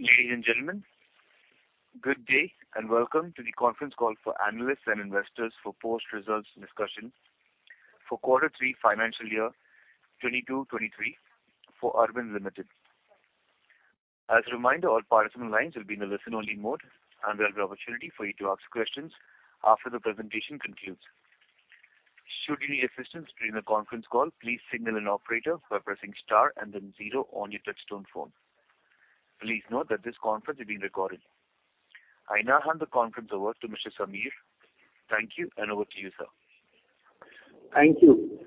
Ladies and gentlemen, good day, and welcome to the conference call for analysts and investors for post-results discussion for Quarter Three, Financial Year 2022/2023 for Arvind Limited. As a reminder, all participant lines will be in a listen-only mode, and there'll be opportunity for you to ask questions after the presentation concludes. Should you need assistance during the conference call, please signal an operator by pressing star and then zero on your touchtone phone. Please note that this conference is being recorded. I now hand the conference over to Mr. Samir. Thank you, and over to you, sir. Thank you.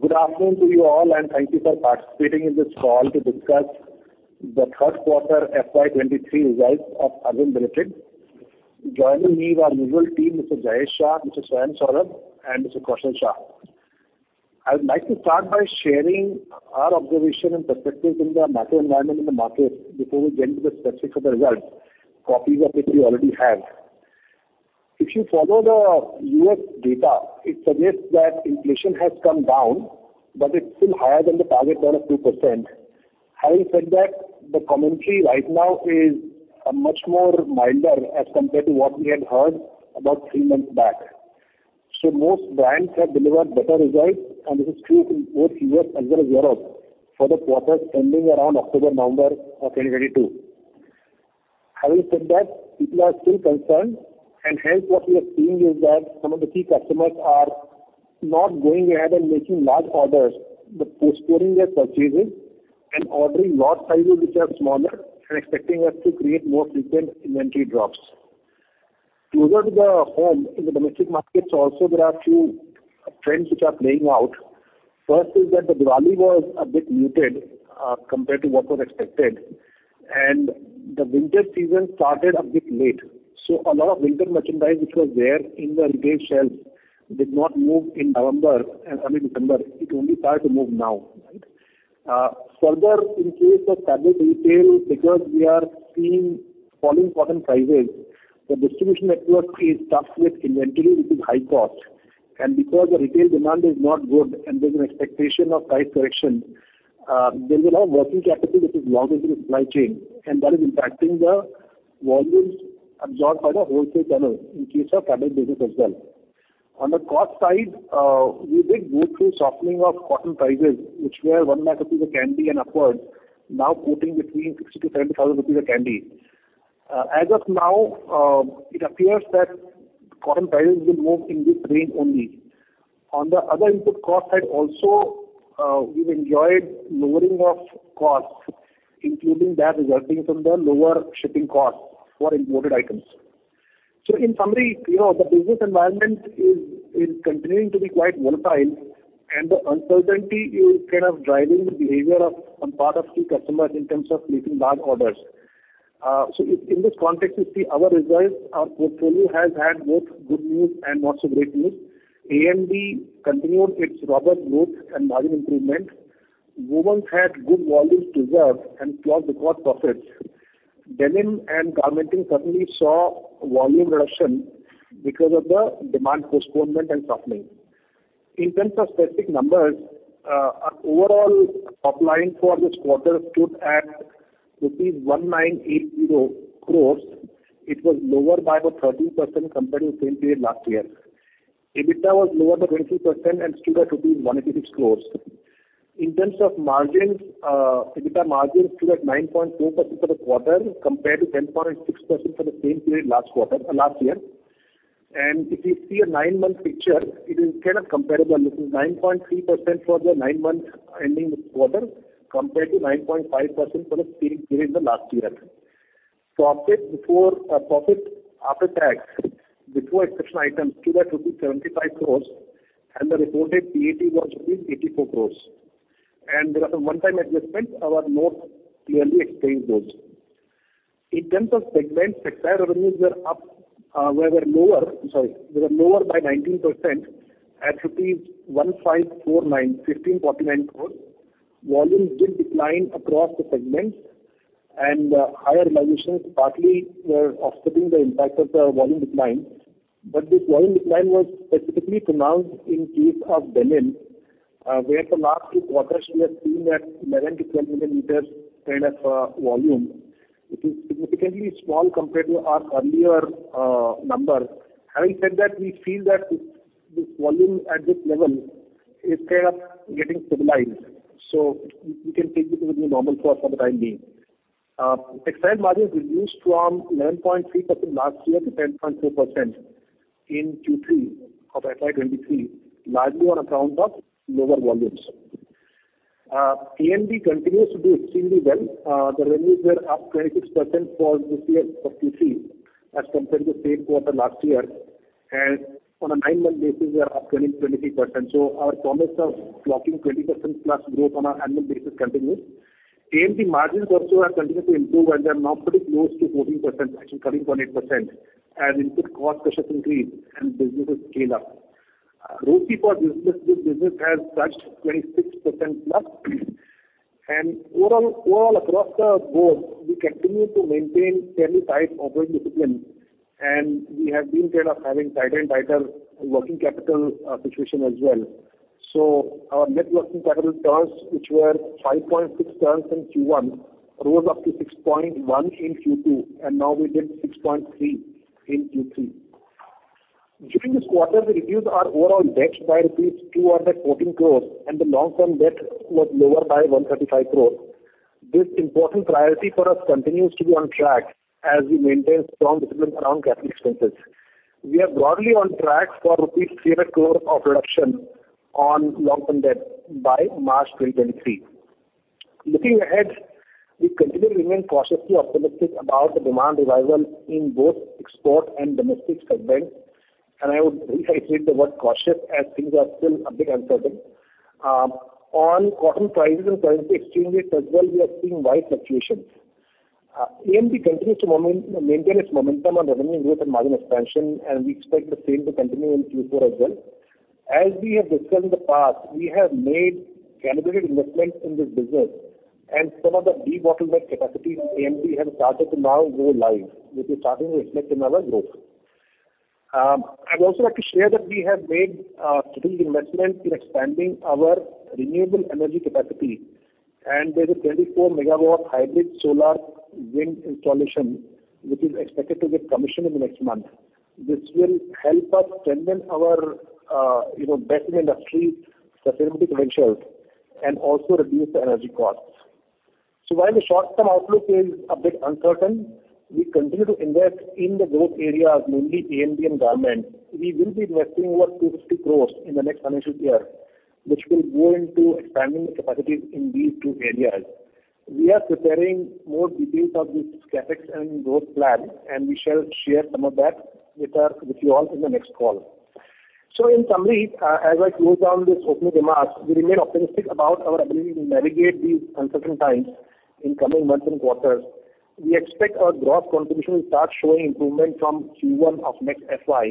Good afternoon to you all, and thank you for participating in this call to discuss the Third Quarter FY 2023 Results of Arvind Limited. Joining me are our usual team, Mr. Jayesh Shah, Mr. Soham Shah, and Mr. Kaushal Shah. I would like to start by sharing our observation and perspectives in the macro environment in the market before we get into the specifics of the results. Copies of it we already have. If you follow the U.S. data, it suggests that inflation has come down, but it's still higher than the target rate of 2%. Having said that, the commentary right now is much more milder as compared to what we had heard about three months back. So most brands have delivered better results, and this is true in both U.S. as well as Europe for the quarter ending around October, November of 2022. Having said that, people are still concerned, and hence what we are seeing is that some of the key customers are not going ahead and making large orders, but postponing their purchases and ordering lot sizes which are smaller and expecting us to create more frequent inventory drops. Closer to the home, in the domestic markets also, there are a few trends which are playing out. First is that the Diwali was a bit muted, compared to what was expected, and the winter season started a bit late. So a lot of winter merchandise, which was there in the retail shelves, did not move in November and early December. It only started to move now, right? Further, in case of fabric retail, because we are seeing falling cotton prices, the distribution network is stuck with inventory, which is high cost. Because the retail demand is not good and there's an expectation of price correction, there is a lot of working capital, which is logged in the supply chain, and that is impacting the volumes absorbed by the wholesale channel in case of Fabric business as well. On the cost side, we did go through softening of cotton prices, which were 1 lakh rupees a candy and upwards, now quoting between 60,000-70,000 rupees a candy. As of now, it appears that cotton prices will move in this range only. On the other input cost side also, we've enjoyed lowering of costs, including that resulting from the lower shipping costs for imported items. So in summary, you know, the business environment is, is continuing to be quite volatile, and the uncertainty is kind of driving the behavior of, on part of key customers in terms of making large orders. So in, in this context, you see our results. Our portfolio has had both good news and not so great news. AMD continued its robust growth and margin improvement. Woven had good volumes reserved and closed the cost profits. Denim and Garmenting certainly saw volume reduction because of the demand postponement and softening. In terms of specific numbers, our overall top line for this quarter stood at rupees 1,980 crore. It was lower by about 13% compared to the same period last year. EBITDA was lower by 22% and stood at 186 crore. In terms of margins, EBITDA margins stood at 9.2% for the quarter, compared to 10.6% for the same period last quarter, last year. If you see a nine-month picture, it is kind of comparable. This is 9.3% for the nine months ending this quarter, compared to 9.5% for the same period the last year. Profit after tax, before exceptional items, stood at 75 crore, and the reported PAT was 84 crore. There are some one-time adjustments. Our note clearly explains those. In terms of segments, textile revenues were lower by 19% at 1,549 crore. Volumes did decline across the segments, and higher margins partly were offsetting the impact of the volume decline. But this volume decline was specifically pronounced in case of Denim, where for last two quarters, we have seen that 9-10 million meters kind of volume, which is significantly small compared to our earlier numbers. Having said that, we feel that this volume at this level is kind of getting stabilized, so we can take it with a normal course for the time being. Textile margins reduced from 9.3% last year to 10.2% in Q3 of FY 2023, largely on account of lower volumes. AMD continues to do extremely well. The revenues were up 26% for this year Q3, as compared to same quarter last year, and on a nine-month basis, we are up 23%. So our promise of blocking 20%+ growth on an annual basis continues. AMD margins also are continuing to improve, and they are now pretty close to 14%, actually 13.8%, as input cost pressure increase and business is scale up. Thereby for business, this business has touched 26%+. And overall, overall, across the board, we continue to maintain fairly tight operating discipline, and we have been kind of having tighter and tighter working capital, situation as well. So our net working capital turns, which were 5.6 turns in Q1, rose up to 6.1 in Q2, and now we did 6.3 in Q3. During this quarter, we reduced our overall debt by rupees 214 crore, and the long-term debt was lower by 135 crore. This important priority for us continues to be on track as we maintain strong discipline around capital expenses. We are broadly on track for rupees 300 crore of reduction on long-term debt by March 2023. Looking ahead, we continue to remain cautiously optimistic about the demand revival in both export and domestic segments, and I would reiterate the word cautious as things are still a bit uncertain. On cotton prices and currency exchange rates as well, we are seeing wide fluctuations. AMD continues to maintain its momentum on revenue growth and margin expansion, and we expect the same to continue in Q4 as well. As we have discussed in the past, we have made calibrated investments in this business, and some of the de-bottlenecked capacities AMD have started to now go live, which is starting to reflect in our growth. I'd also like to share that we have made three investments in expanding our renewable energy capacity, and there's a 24 MW hybrid solar wind installation, which is expected to get commissioned in the next month. This will help us strengthen our, you know, best in industry sustainability credentials and also reduce the energy costs. So while the short-term outlook is a bit uncertain, we continue to invest in the growth areas, mainly AMD and Garmenting. We will be investing over 250 crore in the next financial year, which will go into expanding the capacity in these two areas. We are preparing more details of these CapEx and growth plan, and we shall share some of that with you all in the next call. So in summary, as I close down this opening remarks, we remain optimistic about our ability to navigate these uncertain times in coming months and quarters. We expect our growth contribution will start showing improvement from Q1 of next FY,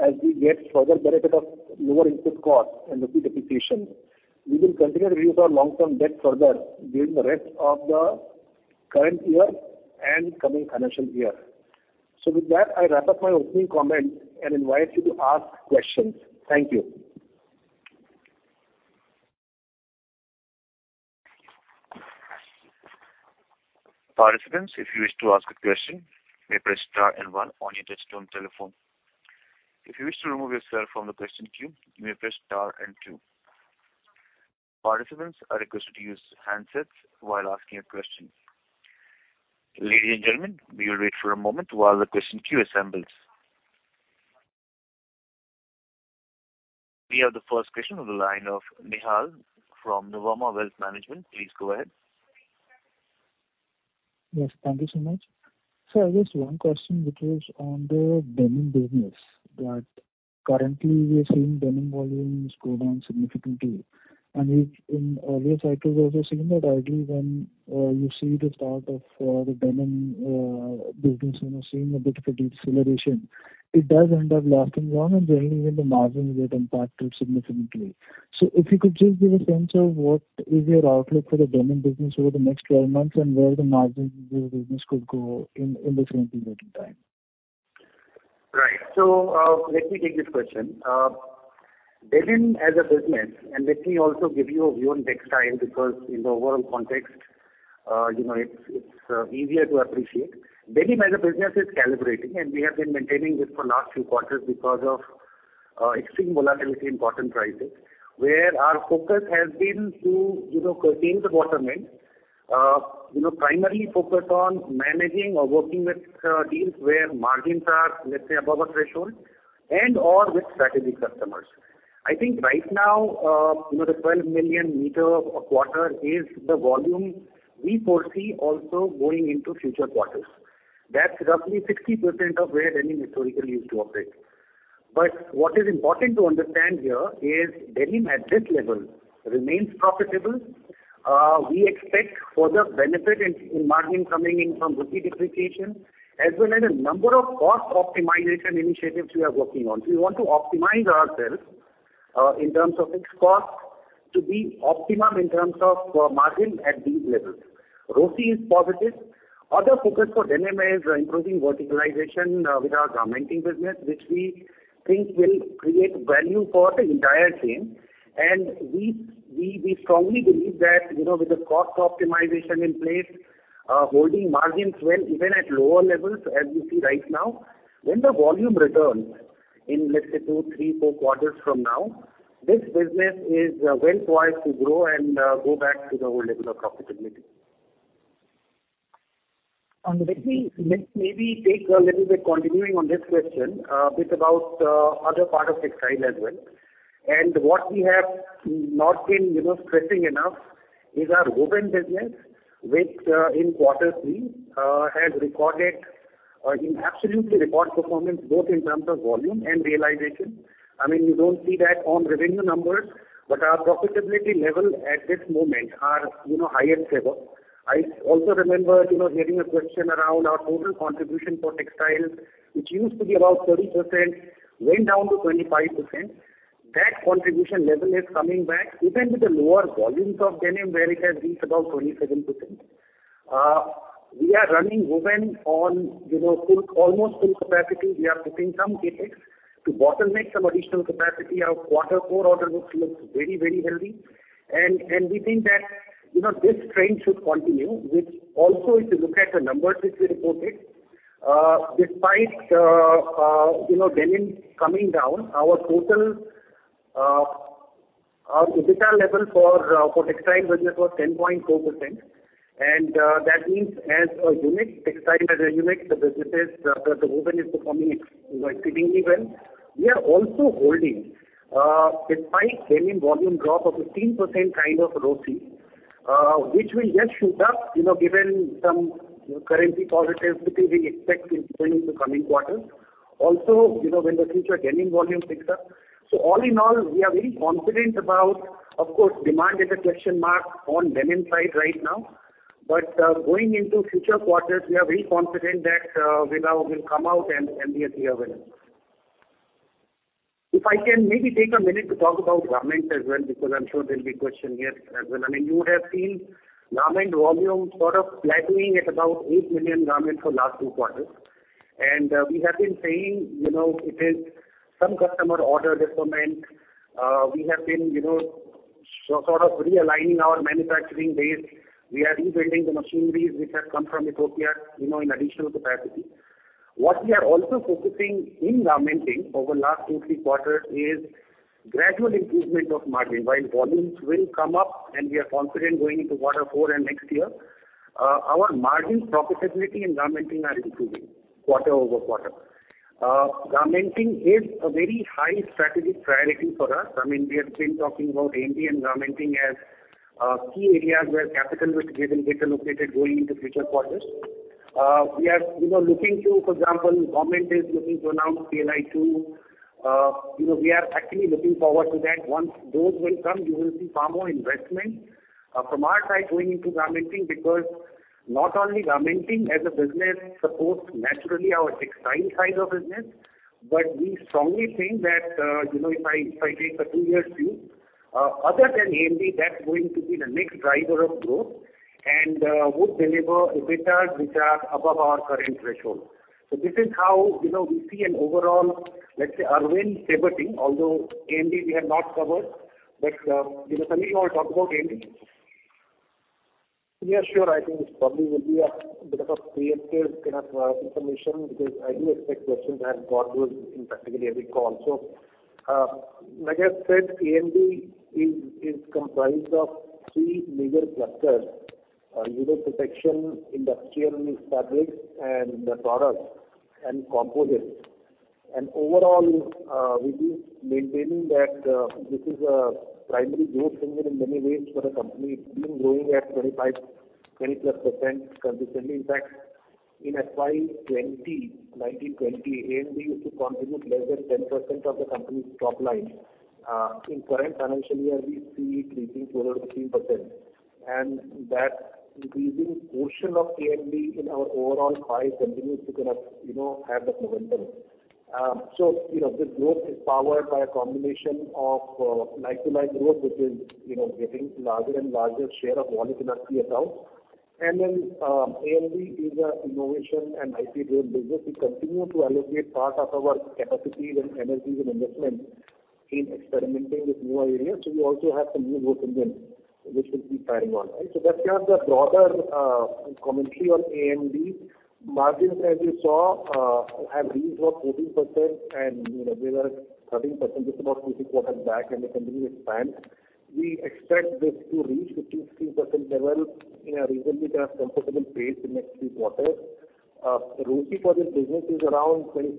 as we get further benefit of lower input costs and rupee depreciation. We will continue to reduce our long-term debt further during the rest of the current year and coming financial year. So with that, I wrap up my opening comments and invite you to ask questions. Thank you. Participants, if you wish to ask a question, you may press star and one on your touchtone telephone. If you wish to remove yourself from the question queue, you may press star and two. Participants are requested to use handsets while asking a question. Ladies and gentlemen, we will wait for a moment while the question queue assembles. We have the first question on the line of Nihal from Nuvama Wealth Management. Please go ahead. Yes, thank you so much. So I just one question, which was on the Denim business, that currently we are seeing Denim volumes go down significantly. And we've in earlier cycles, also seen that ideally when you see the start of the Denim business, you know, seeing a bit of a deceleration, it does end up lasting long, and then even the margins get impacted significantly. So if you could just give a sense of what is your outlook for the Denim business over the next 12 months, and where the margins of the business could go in the same period in time? Right. So, let me take this question. Denim as a business, and let me also give you a view on textile, because in the overall context, you know, it's easier to appreciate. Denim as a business is calibrating, and we have been maintaining this for last few quarters because of extreme volatility in cotton prices, where our focus has been to, you know, curtail the bottom line. You know, primarily focus on managing or working with deals where margins are, let's say, above a threshold and/or with strategic customers. I think right now, you know, the 12 million meter a quarter is the volume we foresee also going into future quarters. That's roughly 60% of where Denim historically used to operate. But what is important to understand here is Denim at this level remains profitable. We expect further benefit in margin coming in from rupee depreciation, as well as a number of cost optimization initiatives we are working on. We want to optimize ourselves in terms of fixed cost to be optimum in terms of margin at these levels. ROTCE is positive. Other focus for Denim is improving verticalization with our Garment business, which we think will create value for the entire chain. We strongly believe that, you know, with the cost optimization in place, holding margins well, even at lower levels, as you see right now, when the volume returns in, let's say, 2, 3, 4 quarters from now, this business is well poised to grow and go back to the old level of profitability. Let me maybe take a little bit continuing on this question, bit about other part of textile as well. What we have not been, you know, stressing enough is our Woven business, which in quarter three has recorded in absolutely record performance, both in terms of volume and realization. I mean, you don't see that on revenue numbers, but our profitability level at this moment are, you know, highest ever. I also remember, you know, hearing a question around our total contribution for textiles, which used to be about 30%, went down to 25%. That contribution level is coming back, even with the lower volumes of Denim, where it has reached about 27%. We are running Woven on, you know, full, almost full capacity. We are putting some CapEx to bottleneck some additional capacity. Our quarter core order books looks very, very healthy. We think that, you know, this trend should continue, which also if you look at the numbers which we reported, despite, you know, Denim coming down, our total, our EBITDA level for, for textile business was 10.4%. And, that means as a unit, textile as a unit, the business is, the Woven is performing exceedingly well. We are also holding, despite Denim volume drop of 15% kind of ROCE, which will just shoot up, you know, given some currency positives, which we expect in the coming quarters. Also, you know, when the future Denim volume picks up. So all in all, we are very confident about, of course, demand is a question mark on Denim side right now. But, going into future quarters, we are very confident that, we now will come out and be a clear winner. If I can maybe take a minute to talk about Garment as well, because I'm sure there'll be question here as well. I mean, you would have seen Garment volume sort of plateauing at about 8 million Garments for last two quarters. And, we have been saying, you know, it is some customer order discernment. We have been, you know, sort of realigning our manufacturing base. We are rebuilding the machineries, which have come from Ethiopia, you know, in additional capacity. What we are also focusing in Garmenting over last two, three quarters is gradual improvement of margin, while volumes will come up, and we are confident going into quarter four and next year. Our margin profitability in Garmenting are improving quarter-over-quarter. Garmenting is a very high strategic priority for us. I mean, we have been talking about AMD and Garmenting as key areas where capital will get allocated going into future quarters. We are, you know, looking to, for example, government is looking to announce PLI 2. You know, we are actually looking forward to that. Once those will come, you will see far more investment from our side going into Garmenting, because not only Garmenting as a business supports naturally our textile side of business, but we strongly think that, you know, if I, if I take a two-year view, other than AMD, that's going to be the next driver of growth and would deliver EBITDAs, which are above our current threshold. So this is how, you know, we see an overall, let's say, Arvind pivoting, although AMD we have not covered, but, you know, Sunil, you want to talk about AMD? Yeah, sure. I think this probably will be a bit of a preemptive kind of information, because I do expect questions as got to in practically every call. So, like I said, AMD is comprised of three major clusters, you know, protection, industrial fabrics, and products and composites. And overall, we've been maintaining that this is a primary growth engine in many ways for the company. It's been growing at 25, 20+% consistently. In fact, in FY 2019-20, AMD used to contribute less than 10% of the company's top line. In current financial year, we see it reaching 12%-13%, and that increasing portion of AMD in our overall pie continues to kind of, you know, have the momentum. So, you know, this growth is powered by a combination of like-to-like growth, which is, you know, getting larger and larger share of volume in our key accounts. And then, AMD is a innovation and IP-led business. We continue to allocate part of our capacities and energies and investments in experimenting with new areas. So we also have some new work in them, which will be carrying on. So that's just the broader commentary on AMD. Margins, as you saw, have reached about 14%, and, you know, they were 13% just about two, three quarters back, and they continue to expand. We expect this to reach 15%-16% level in a reasonably kind of comfortable pace in next three quarters. ROCE for this business is around 26.4%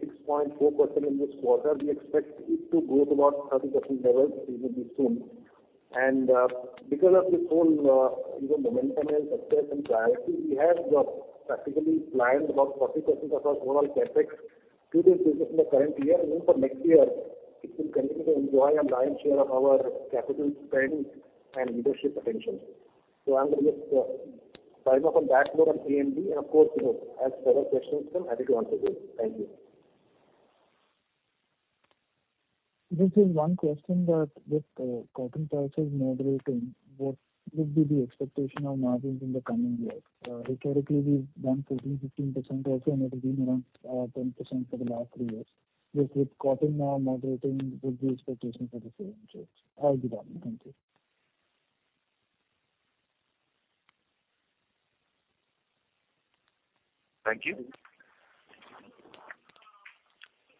in this quarter. We expect it to grow to about 30% levels reasonably soon. And, because of this whole, you know, momentum and success and priority, we have practically planned about 40% of our overall CapEx to this business in the current year, and even for next year, it will continue to enjoy a lion's share of our capital spend and leadership attention. So I'm going to just sign off on that note on AMD, and of course, you know, as further questions come, happy to answer those. Thank you. This is one question that with, cotton prices moderating, what would be the expectation of margins in the coming years? Historically, we've done 15, 15% also, and it has been around 10% for the last three years. Just with cotton now moderating, what's the expectation for the same? Thank you. Thank you.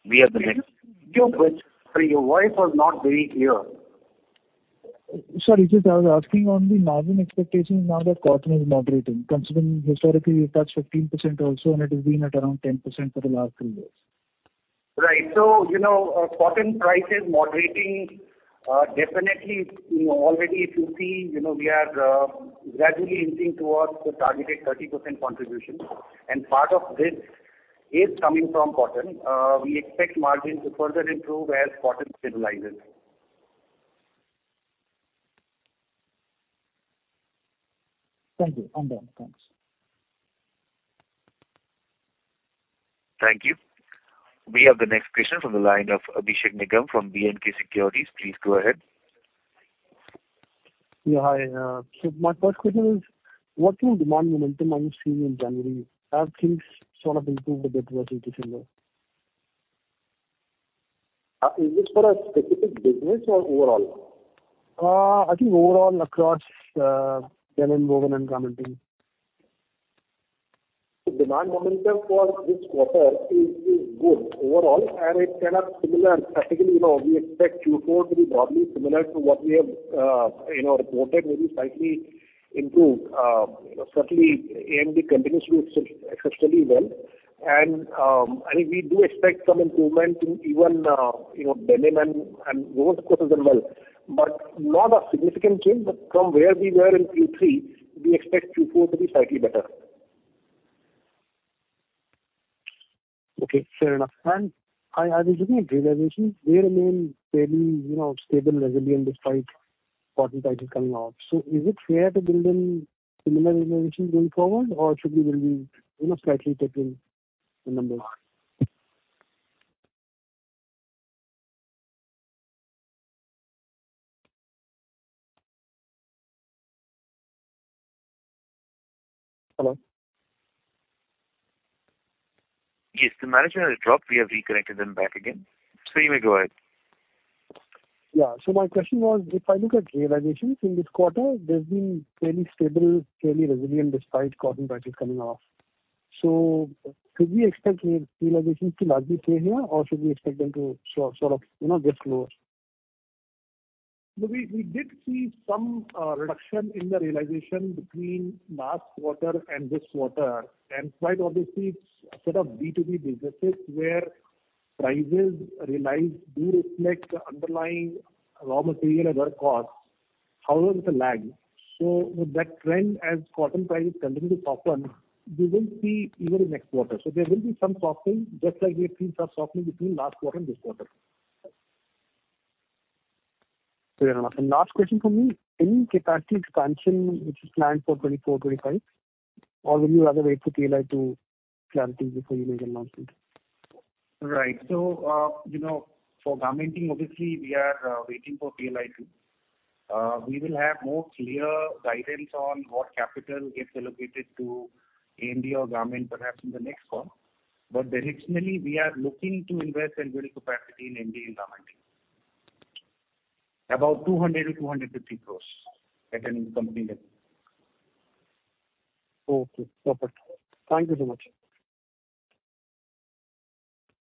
We are the next. Sorry, your voice was not very clear. Sorry, just I was asking on the margin expectation now that cotton is moderating, considering historically, we've touched 15% also, and it has been at around 10% for the last three years. Right. So, you know, cotton prices moderating, definitely, you know, already if you see, you know, we are gradually inching towards the targeted 30% contribution, and part of this is coming from cotton. We expect margins to further improve as cotton stabilizes. Thank you. I'm done. Thanks. ...Thank you. We have the next question from the line of Abhishek Nigam from B&K Securities. Please go ahead. Yeah, hi. So my first question is, what kind of demand momentum are you seeing in January? Have things sort of improved a bit versus December? Is this for a specific business or overall? I think overall across Denim, Woven, and Garmenting. The demand momentum for this quarter is good overall, and it's kind of similar. Particularly, you know, we expect Q4 to be broadly similar to what we have, you know, reported, maybe slightly improved. Certainly AMD continues to do successfully well, and, I think we do expect some improvement in even, you know, Denim and Woven, of course, has done well, but not a significant change. But from where we were in Q3, we expect Q4 to be slightly better. Okay, fair enough. I was looking at realizations. They remain fairly, you know, stable, resilient, despite cotton prices coming off. So is it fair to build in similar realizations going forward, or should we build in, you know, slightly taking the numbers? Hello? Yes, the manager has dropped. We have reconnected them back again, so you may go ahead. Yeah. So my question was, if I look at realizations in this quarter, there's been fairly stable, fairly resilient, despite cotton prices coming off. So should we expect realizations to largely stay here, or should we expect them to sort of, you know, get lower? We did see some reduction in the realization between last quarter and this quarter. Quite obviously, it's a set of B2B businesses where prices realized do reflect the underlying raw material and other costs, however, with a lag. With that trend, as cotton prices continue to soften, we will see even in next quarter. There will be some softening, just like we have seen some softening between last quarter and this quarter. Fair enough. And last question for me, any capacity expansion which is planned for 2024, 2025, or will you rather wait for PLI to clarify before you make announcement? Right. So, you know, for Garmenting, obviously we are waiting for PLI. We will have more clear guidance on what capital gets allocated to AMD or Garment perhaps in the next call. But directionally, we are looking to invest in building capacity in AMD and Garmenting. About 200-250 crore at a company level. Okay, perfect. Thank you so much.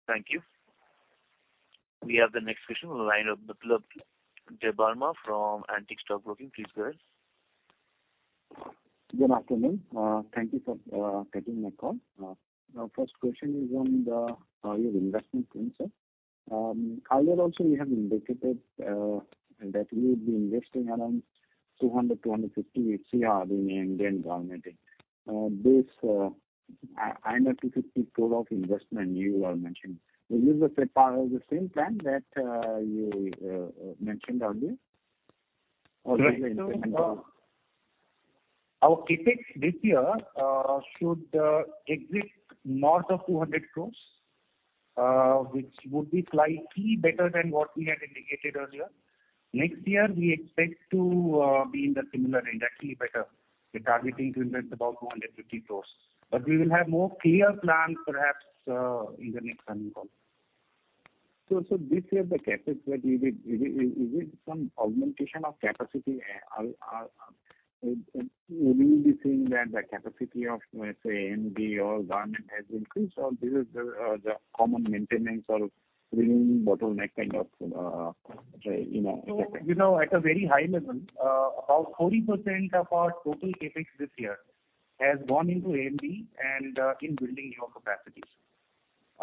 Thank you. We have the next question on the line of Biplab Debbarma from Antique Stock Broking. Please go ahead. Good afternoon. Thank you for taking my call. My first question is on your investment plan. Earlier also you have indicated that you would be investing around 200-250 crore in AMD and Garmenting. This 250 crore of investment you are mentioning, is this a part of the same plan that you mentioned earlier? Or is there a- Our CapEx this year should exceed north of 200 crore, which would be slightly better than what we had indicated earlier. Next year, we expect to be in the similar range, actually better. We're targeting to invest about 250 crore, but we will have more clear plan perhaps in the next earnings call. So this year the CapEx that you did, is it some augmentation of capacity? Or we will be seeing that the capacity of, let's say, AMD or Garment has increased, or this is the common maintenance or cleaning bottleneck kind of, you know- So, you know, at a very high level, about 40% of our total CapEx this year has gone into AMD and in building your capacity.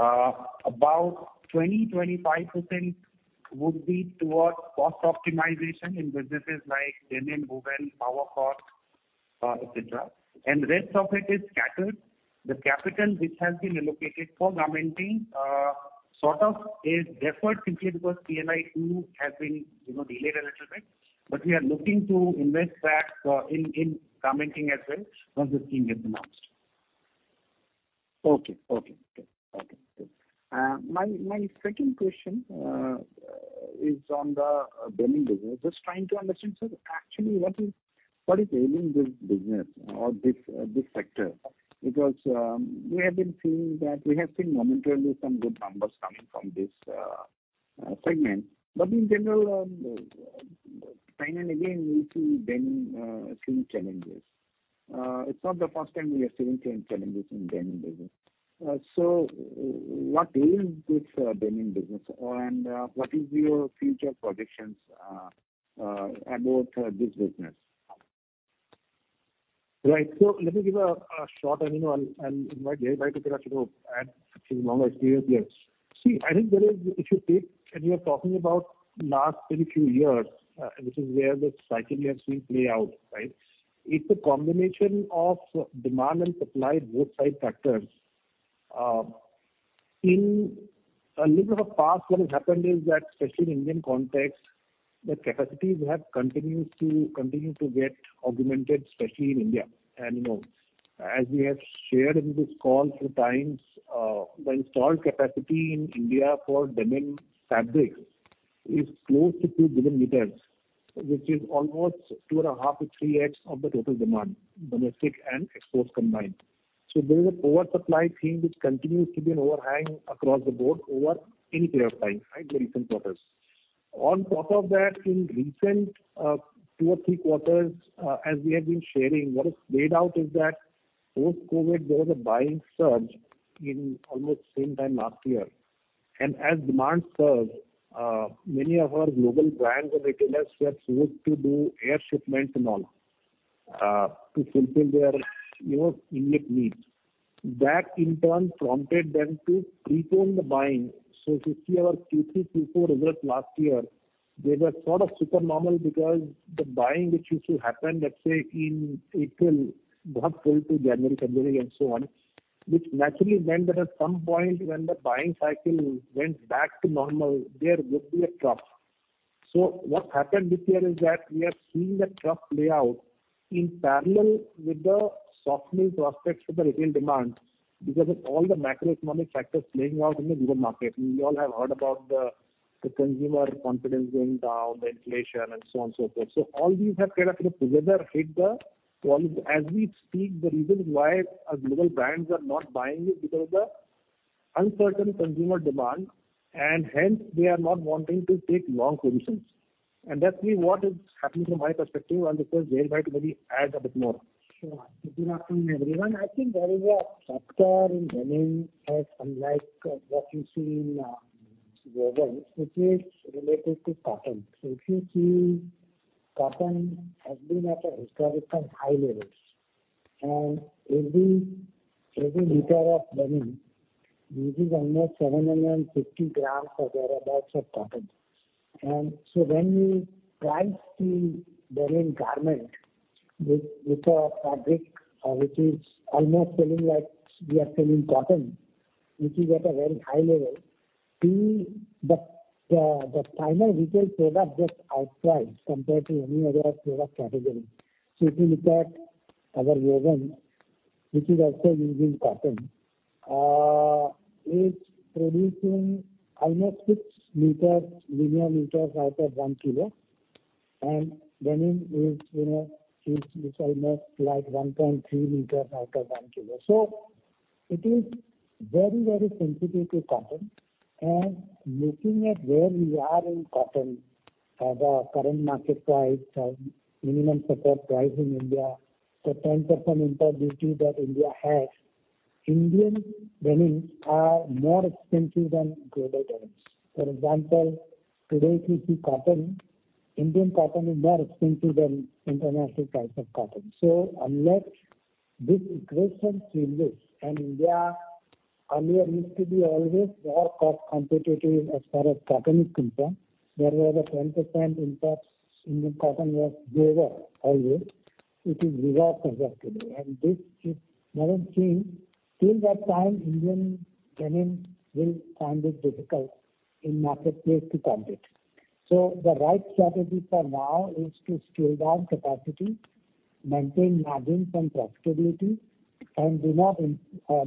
About 20%-25% would be towards cost optimization in businesses like Denim, Woven, Powerloom, etc., and the rest of it is scattered. The capital which has been allocated for Garmenting sort of is deferred simply because PLI-2 has been, you know, delayed a little bit. But we are looking to invest that in Garmenting as well, once it's being announced. Okay. Okay, okay. Okay, good. My second question is on the Denim business. Just trying to understand, sir, actually, what is ailing this business or this sector? Because we have been seeing that we have seen momentarily some good numbers coming from this segment. But in general, time and again, we see Denim seeing challenges. It's not the first time we are seeing challenges in Denim business. So what ails this Denim business, and what is your future projections about this business? Right. Let me give a short and, you know, I'll invite Jaiprakash to add to his long experience here. I think there is... If you take, and you are talking about last very few years, you know, this is where the cycle we have seen play out, right? It's a combination of demand and supply, both side factors. A little of the past what has happened is that, especially in Indian context, the capacities have continued to get augmented, especially in India. You know, as we have shared in this call through times, the installed capacity in India for Denim fabrics is close to 2 billion meters, which is almost two and a half to three-eighths of the total demand, domestic and exports combined. So there is an oversupply theme which continues to be an overhang across the Board over any period of time, right, the recent quarters. On top of that, in recent two or three quarters, as we have been sharing, what is played out is that post-COVID, there was a buying surge in almost same time last year. And as demand surged, many of our global brands and retailers were forced to do air shipments and all, to fulfill their, you know, immediate needs. That, in turn, prompted them to prepay the buying. So if you see our Q3, Q4 results last year, they were sort of super normal because the buying which used to happen, let's say, in April, not till to January, February and so on, which naturally meant that at some point when the buying cycle went back to normal, there would be a trough. So what happened this year is that we are seeing the trough play out in parallel with the softening prospects for the retail demand, because of all the macroeconomic factors playing out in the global market. We all have heard about the, the consumer confidence going down, the inflation and so on, so forth. So all these have kind of together hit the... As we speak, the reason why our global brands are not buying is because of the uncertain consumer demand, and hence, they are not wanting to take long positions. That's what is happening from my perspective, and because Jaideep might maybe add a bit more. Sure. Good afternoon, everyone. I think there is a factor in Denim that unlike what you see in global, which is related to cotton. So if you see, cotton has been at historical high levels, and every linear meter of Denim, which is almost 750 grams or thereabouts of cotton. And so when you price the Denim Garment with a fabric, which is almost selling like we are selling cotton, which is at a very high level, The final retail product gets outpriced compared to any other product category. So if you look at our Woven, which is also using cotton, is producing almost 6 linear meters out of 1 kg, and Denim is, you know, is almost like 1.3 m out of 1 kg. So it is very, very competitive to cotton. Looking at where we are in cotton, the current market price, minimum support price in India, the 10% import duty that India has, Indian Denims are more expensive than global Denims. For example, today, if you see cotton, Indian cotton is more expensive than international price of cotton. So unless this equation changes, and India earlier used to be always more cost competitive as far as cotton is concerned, there was a 10% impact Indian cotton was lower always. It is reversed as of today. And this, it doesn't change. Till that time, Indian Denim will find it difficult in marketplace to compete. So the right strategy for now is to scale down capacity, maintain margins and profitability, and do not in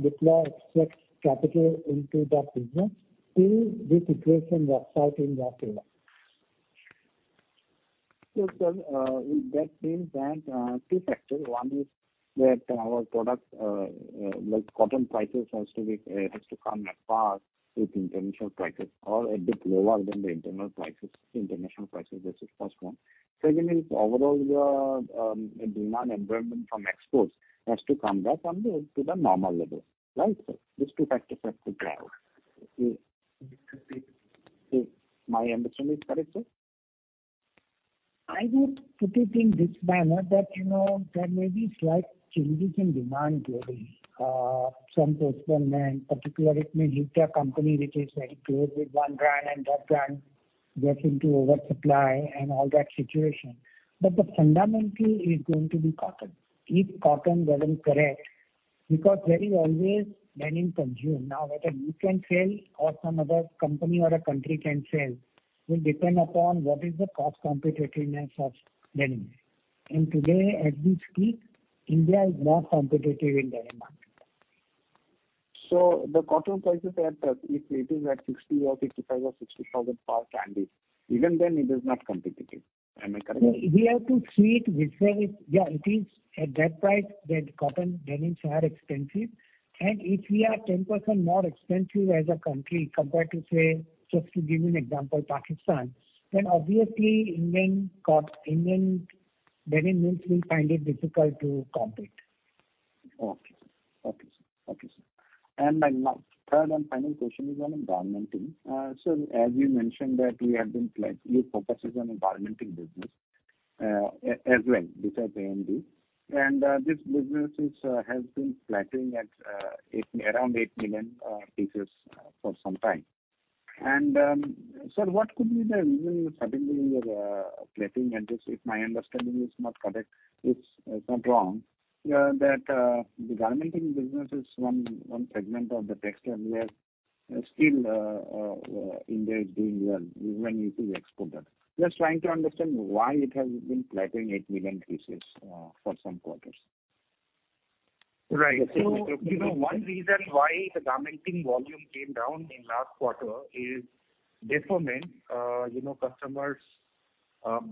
deploy excess capital into that business till the situation works out in that favor. Yes, sir, that means that two factors. One is that our product, like cotton prices, has to be, has to come at par with international prices or a bit lower than the internal prices, international prices. This is first one. Second is overall the demand environment from exports has to come back only to the normal level, right, sir? These two factors have to drive. If, if my understanding is correct, sir? I would put it in this manner, that, you know, there may be slight changes in demand story, some postpartum, and particularly if a company which is very close with one brand and that brand gets into oversupply and all that situation. But the fundamentally is going to be cotton. If cotton doesn't correct, because there is always Denim consumed. Now, whether you can sell or some other company or a country can sell, will depend upon what is the cost competitiveness of Denim. And today, as we speak, India is not competitive in the demand. The cotton prices are at, if it is at 60,000 or 55,000 or 60,000 per candy, even then it is not competitive. Am I correct? We have to see it which way. Yeah, it is at that price that cotton Denims are expensive. And if we are 10% more expensive as a country compared to, say, just to give you an example, Pakistan, then obviously Indian Denim mills will find it difficult to compete. Okay, sir. Okay, sir. Okay, sir. And my third and final question is on Garmenting. So as you mentioned, that we have been slightly focused on Garmenting business, as well, besides AMD. And, this business is, has been flattening at, around 8 million pieces, for some time. And, sir, what could be the reason suddenly we are flattening? And if my understanding is not correct, if it's not wrong, that the Garmenting business is one segment of the textile we have-... still, India is doing well, even if you export that. Just trying to understand why it has been flat in 8 million pieces, for some quarters? Right. So, you know, one reason why the Garmenting volume came down in last quarter is deferment. You know, customers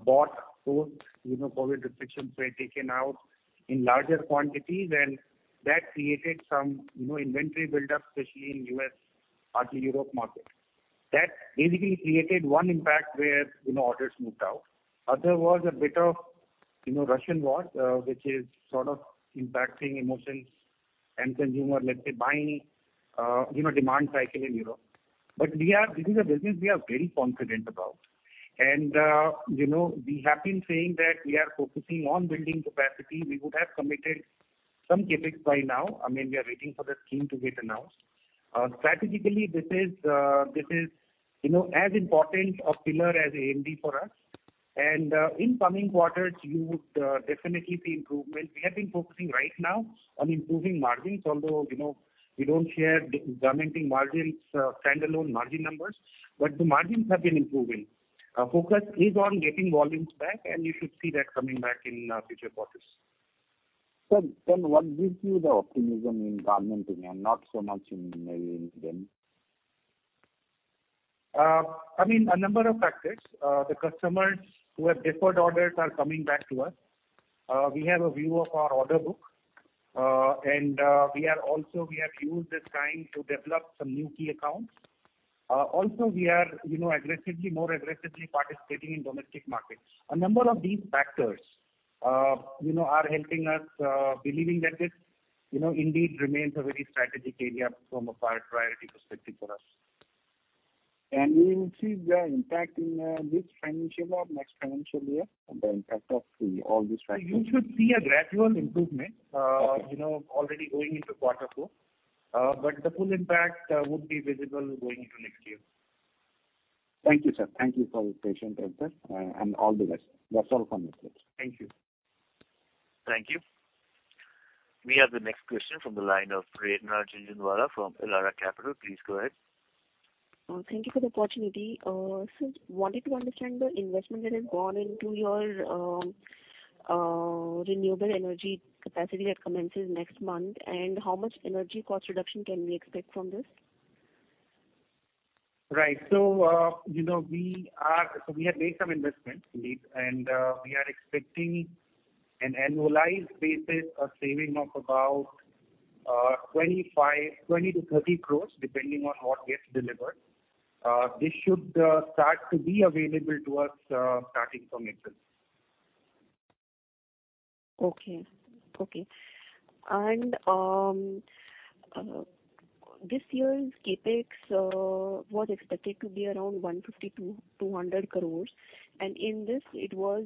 bought both, you know, COVID restrictions were taken out in larger quantities, and that created some, you know, inventory buildup, especially in U.S. and Europe market. That basically created one impact where, you know, orders moved out. Other was a bit of, you know, Russian war, which is sort of impacting emotions and consumer, let's say, buying, you know, demand cycle in Europe. But we are, this is a business we are very confident about, and, you know, we have been saying that we are focusing on building capacity. We would have committed some CapEx by now. I mean, we are waiting for the scheme to get announced. Strategically, this is, this is, you know, as important a pillar as AMD for us. In coming quarters, you would definitely see improvement. We have been focusing right now on improving margins, although, you know, we don't share the Garmenting margins, standalone margin numbers, but the margins have been improving. Our focus is on getting volumes back, and you should see that coming back in, future quarters. Sir, then what gives you the optimism in Garmenting and not so much in maybe in them? I mean, a number of factors. The customers who have deferred orders are coming back to us. We have a view of our order book, and we are also—we have used this time to develop some new key accounts. Also, we are, you know, aggressively, more aggressively participating in domestic markets. A number of these factors, you know, are helping us, believing that it, you know, indeed remains a very strategic area from a priority perspective for us. We will see the impact in this financial or next financial year, the impact of the all these factors? You should see a gradual improvement, you know, already going into quarter four. But the full impact would be visible going into next year. Thank you, sir. Thank you for the patient answer, and all the best. That's all from my side. Thank you. Thank you. We have the next question from the line of Prerna Jhunjhunwala from Elara Capital. Please go ahead. Thank you for the opportunity. So wanted to understand the investment that has gone into your renewable energy capacity that commences next month, and how much energy cost reduction can we expect from this? Right. So, you know, we are... So we have made some investments indeed, and we are expecting an annualized basis of saving of about 25, 20-30 crore, depending on what gets delivered. This should start to be available to us, starting from April. Okay, okay. This year's CapEx was expected to be around 150-200 crore, and in this, it was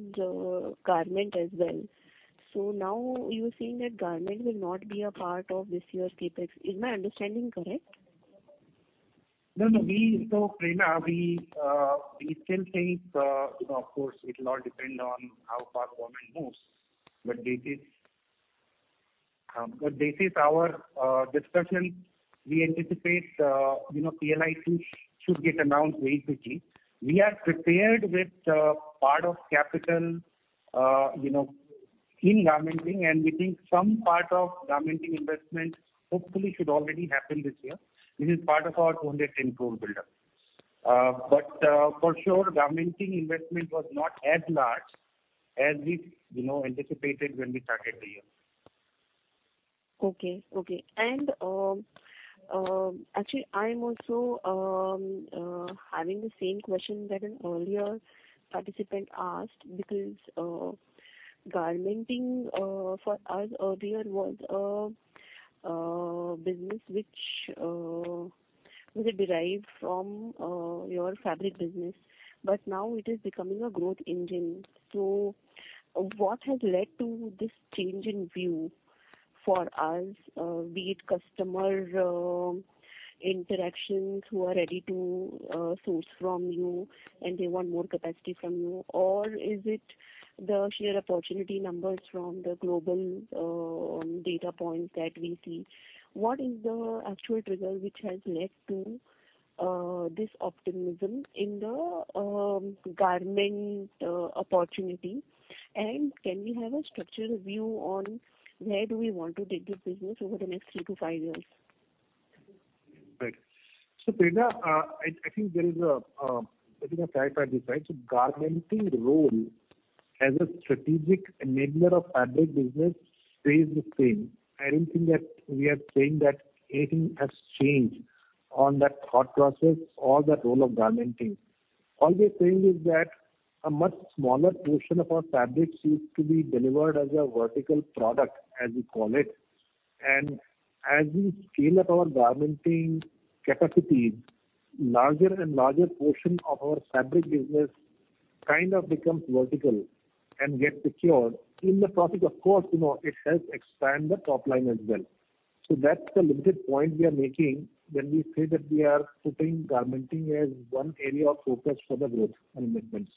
Garment as well. So now you're saying that Garment will not be a part of this year's CapEx. Is my understanding correct? No, no. We, so Prerna, we still think, you know, of course, it'll all depend on how fast government moves, but this is, but this is our discussion. We anticipate, you know, PLI should get announced very quickly. We are prepared with, part of capital, you know, in Garmenting, and we think some part of Garmenting investment hopefully should already happen this year. This is part of our 210 crore buildup. But, for sure, Garmenting investment was not as large as we, you know, anticipated when we started the year. Okay, okay. And, actually, I am also having the same question that an earlier participant asked, because Garmenting for us earlier was business which was derived from your Fabric business, but now it is becoming a growth engine. So what has led to this change in view for us? Be it customer interactions who are ready to source from you, and they want more capacity from you, or is it the sheer opportunity numbers from the global data points that we see? What is the actual trigger which has led to this optimism in the Garment opportunity? And can we have a structured view on where do we want to take this business over the next three to five years? Right. So, Prerna, I think there is a let me clarify this, right? So Garmenting role as a strategic enabler of Fabric business stays the same. I don't think that we are saying that anything has changed on that thought process or the role of Garmenting. All we're saying is that a much smaller portion of our fabrics used to be delivered as a vertical product, as we call it. And as we scale up our Garmenting capacity, larger and larger portion of our Fabric business kind of becomes vertical and get secured. In the process, of course, you know, it helps expand the top line as well. So that's the limited point we are making when we say that we are putting Garmenting as one area of focus for the growth and investments.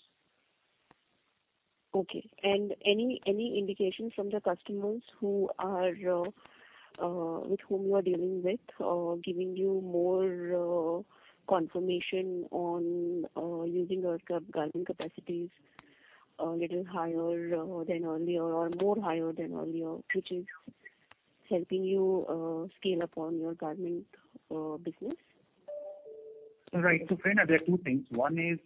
Okay, and any indication from the customers who are with whom you are dealing with, or giving you more confirmation on using your Garment capacities a little higher than earlier or more higher than earlier, which is helping you scale up on your Garment business? Right. So Prerna, there are two things. One is,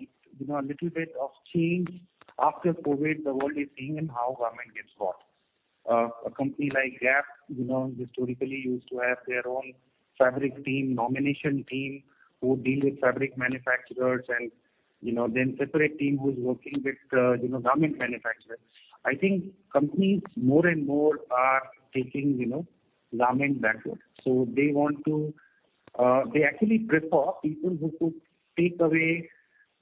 it's, you know, a little bit of change. After COVID, the world is seeing in how Garment gets bought. A company like Gap, you know, historically used to have their own fabric team, nomination team, who deal with fabric manufacturers and, you know, then separate team who's working with, you know, Garment manufacturers. I think companies more and more are taking, you know, Garment backwards. So they want to, they actually prefer people who could take away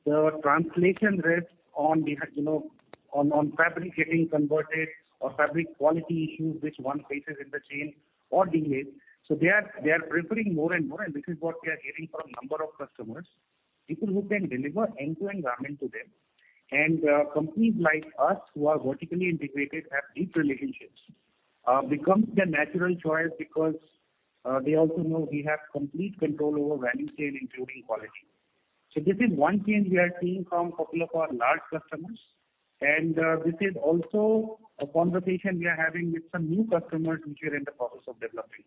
the translation risk on behalf, you know, on, on fabric getting converted or fabric quality issues, which one faces in the chain or delays. So they are, they are preferring more and more, and this is what we are hearing from a number of customers, people who can deliver end-to-end Garment to them. Companies like us who are vertically integrated, have deep relationships, becomes their natural choice because they also know we have complete control over value chain, including quality. So this is one change we are seeing from couple of our large customers, and this is also a conversation we are having with some new customers which are in the process of developing.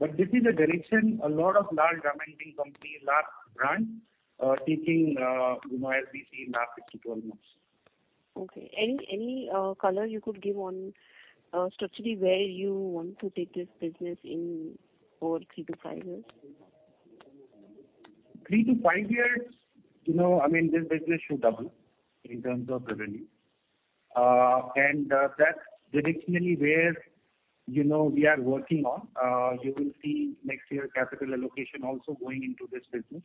But this is a direction a lot of large Garmenting companies, large brands taking, you know, LGC in the last six to 12 months. Okay. Any color you could give on structurally, where you want to take this business in over three to five years? Three to five years, you know, I mean, this business should double in terms of revenue. And, that's directionally where, you know, we are working on. You will see next year capital allocation also going into this business.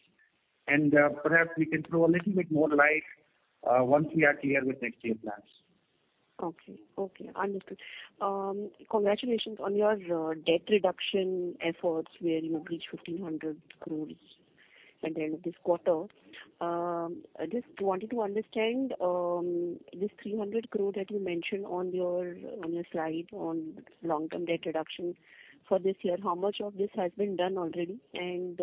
And, perhaps we can throw a little bit more light, once we are clear with next year plans. Okay. Okay, understood. Congratulations on your debt reduction efforts where you reached 1,500 crore at the end of this quarter. I just wanted to understand this 300 crore that you mentioned on your, on your slide on long-term debt reduction for this year, how much of this has been done already, and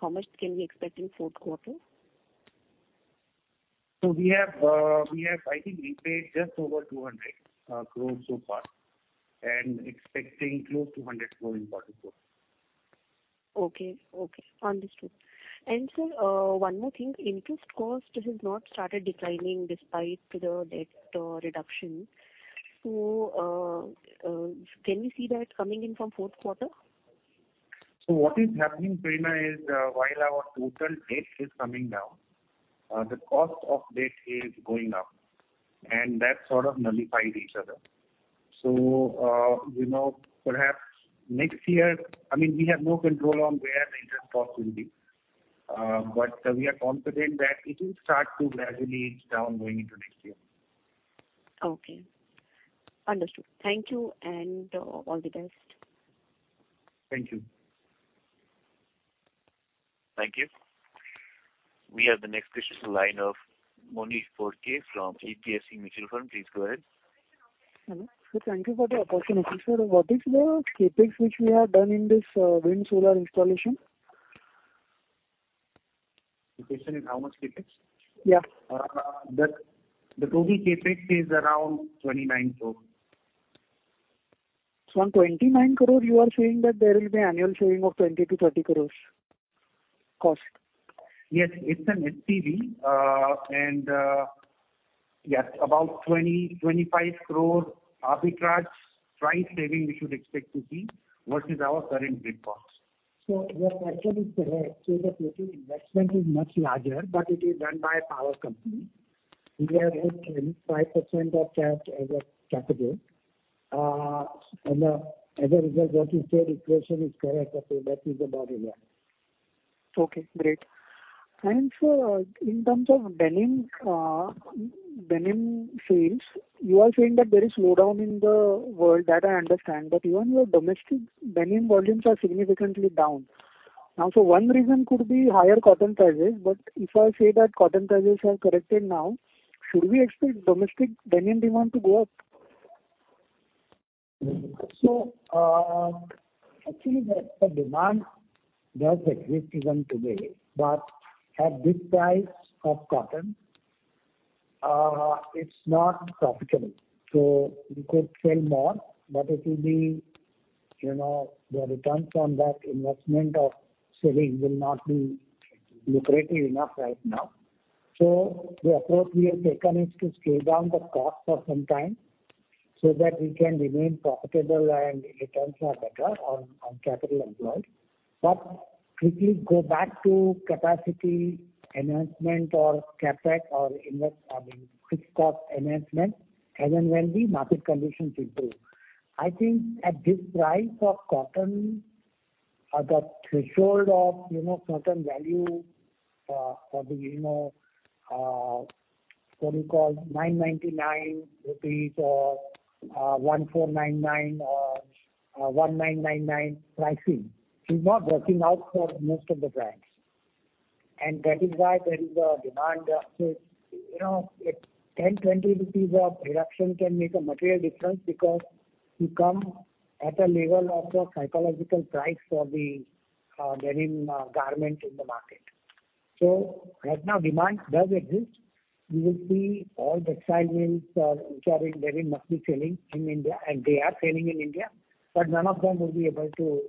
how much can we expect in fourth quarter? So we have, I think, we paid just over 200 crore so far, and expecting close to 100 crore in quarter four. Okay. Okay, understood. And sir, one more thing, interest cost has not started declining despite the debt reduction. So, can we see that coming in from fourth quarter? So what is happening, Prerna, is, while our total debt is coming down, the cost of debt is going up, and that sort of nullifies each other. So, you know, perhaps next year, I mean, we have no control on where the interest cost will be, but we are confident that it will start to gradually edge down going into next year. Okay. Understood. Thank you, and all the best. Thank you. Thank you. We have the next question in line of Monish Ghodke from HDFC Mutual Fund. Please go ahead. Hello. Thank you for the opportunity. Sir, what is the CapEx which we have done in this wind solar installation? The question is how much CapEx? Yeah. The total CapEx is around 29 crore. On 29 crore, you are saying that there will be annual saving of 20 crore-30 crore cost? Yes, it's an SPV, and yes, about 20-25 crore arbitrage price saving we should expect to see, versus our current grid cost. So the question is correct. The total investment is much larger, but it is run by a power company. We have put in 5% of that as a capital. As a result, what you said, the question is correct, that is about it, yeah. Okay, great. And so, in terms of Denim, Denim sales, you are saying that there is slowdown in the world, that I understand, but even your domestic Denim volumes are significantly down. Now, so one reason could be higher cotton prices, but if I say that cotton prices have corrected now, should we expect domestic Denim demand to go up? So, actually, the demand does exist even today, but at this price of cotton, it's not profitable. So we could sell more, but it will be, you know, the return from that investment of selling will not be lucrative enough right now. So the approach we have taken is to scale down the cost for some time, so that we can remain profitable and returns are better on capital employed. But quickly go back to capacity enhancement or CapEx or invest on fixed cost enhancement, as and when the market conditions improve. I think at this price of cotton, the threshold of, you know, certain value for the, you know, what you call 999 rupees or 1,499 or 1,999 pricing, is not working out for most of the brands. ...And that is why there is a demand. So, you know, it, 10 rupees, 20 of reduction can make a material difference because you come at a level of a psychological price for the Denim Garment in the market. So right now, demand does exist. You will see all the textile mills are, which are in Denim, must be selling in India, and they are selling in India, but none of them will be able to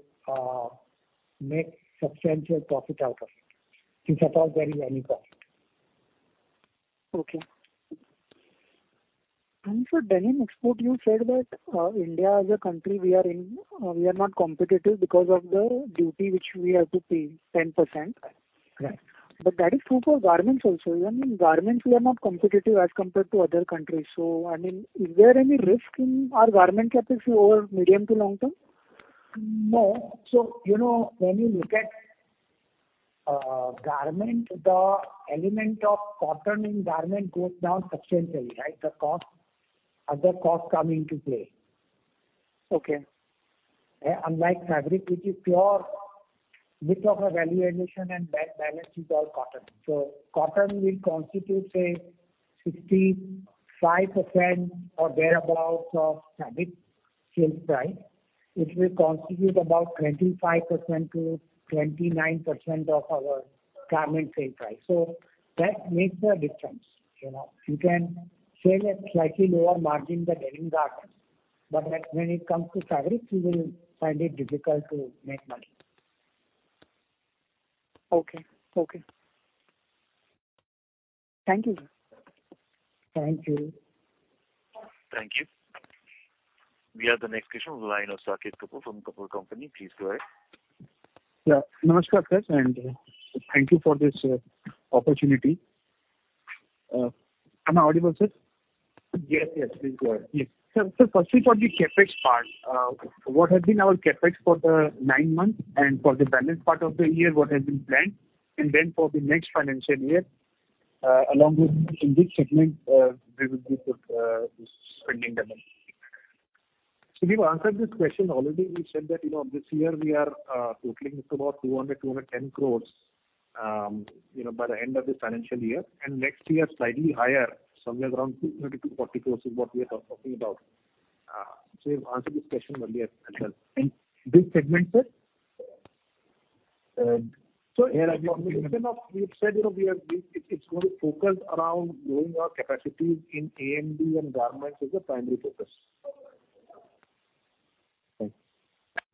make substantial profit out of it, if at all there is any profit. Okay. And for Denim export, you said that, India as a country, we are not competitive because of the duty which we have to pay 10%. Right. That is true for Garments also. Even in Garments, we are not competitive as compared to other countries. I mean, is there any risk in our Garment capacity over medium to long term? No. So, you know, when you look at Garment, the element of cotton in Garment goes down substantially, right? The cost, other costs come into play. Okay. Unlike fabric, which is pure, bit of a value addition, and that balance is all cotton. So cotton will constitute, say, 65% or thereabout of fabric sales price, which will constitute about 25%-29% of our Garment sale price. So that makes the difference, you know. You can sell at slightly lower margin the Denim Garment, but when it comes to fabric, you will find it difficult to make money. Okay. Okay. Thank you. Thank you. Thank you. We have the next question on the line of Saket Kapoor from Kapoor Company. Please go ahead. Yeah. Namaskar, sir, and, thank you for this opportunity. Am I audible, sir? Yes, yes, please go ahead. Yes. Sir, so firstly, for the CapEx part, what has been our CapEx for the nine months and for the balance part of the year, what has been planned? And then for the next financial year, along with in which segment, we will be putting spending the money? So we've answered this question already. We said that, you know, this year we are totaling to about 200-210 crore, you know, by the end of this financial year, and next year, slightly higher, somewhere around 220-240 crore is what we are talking about. So we've answered this question earlier as well. In which segment, sir? So we've said, you know, it's going to focus around growing our capacities in AMD and Garments is the primary focus.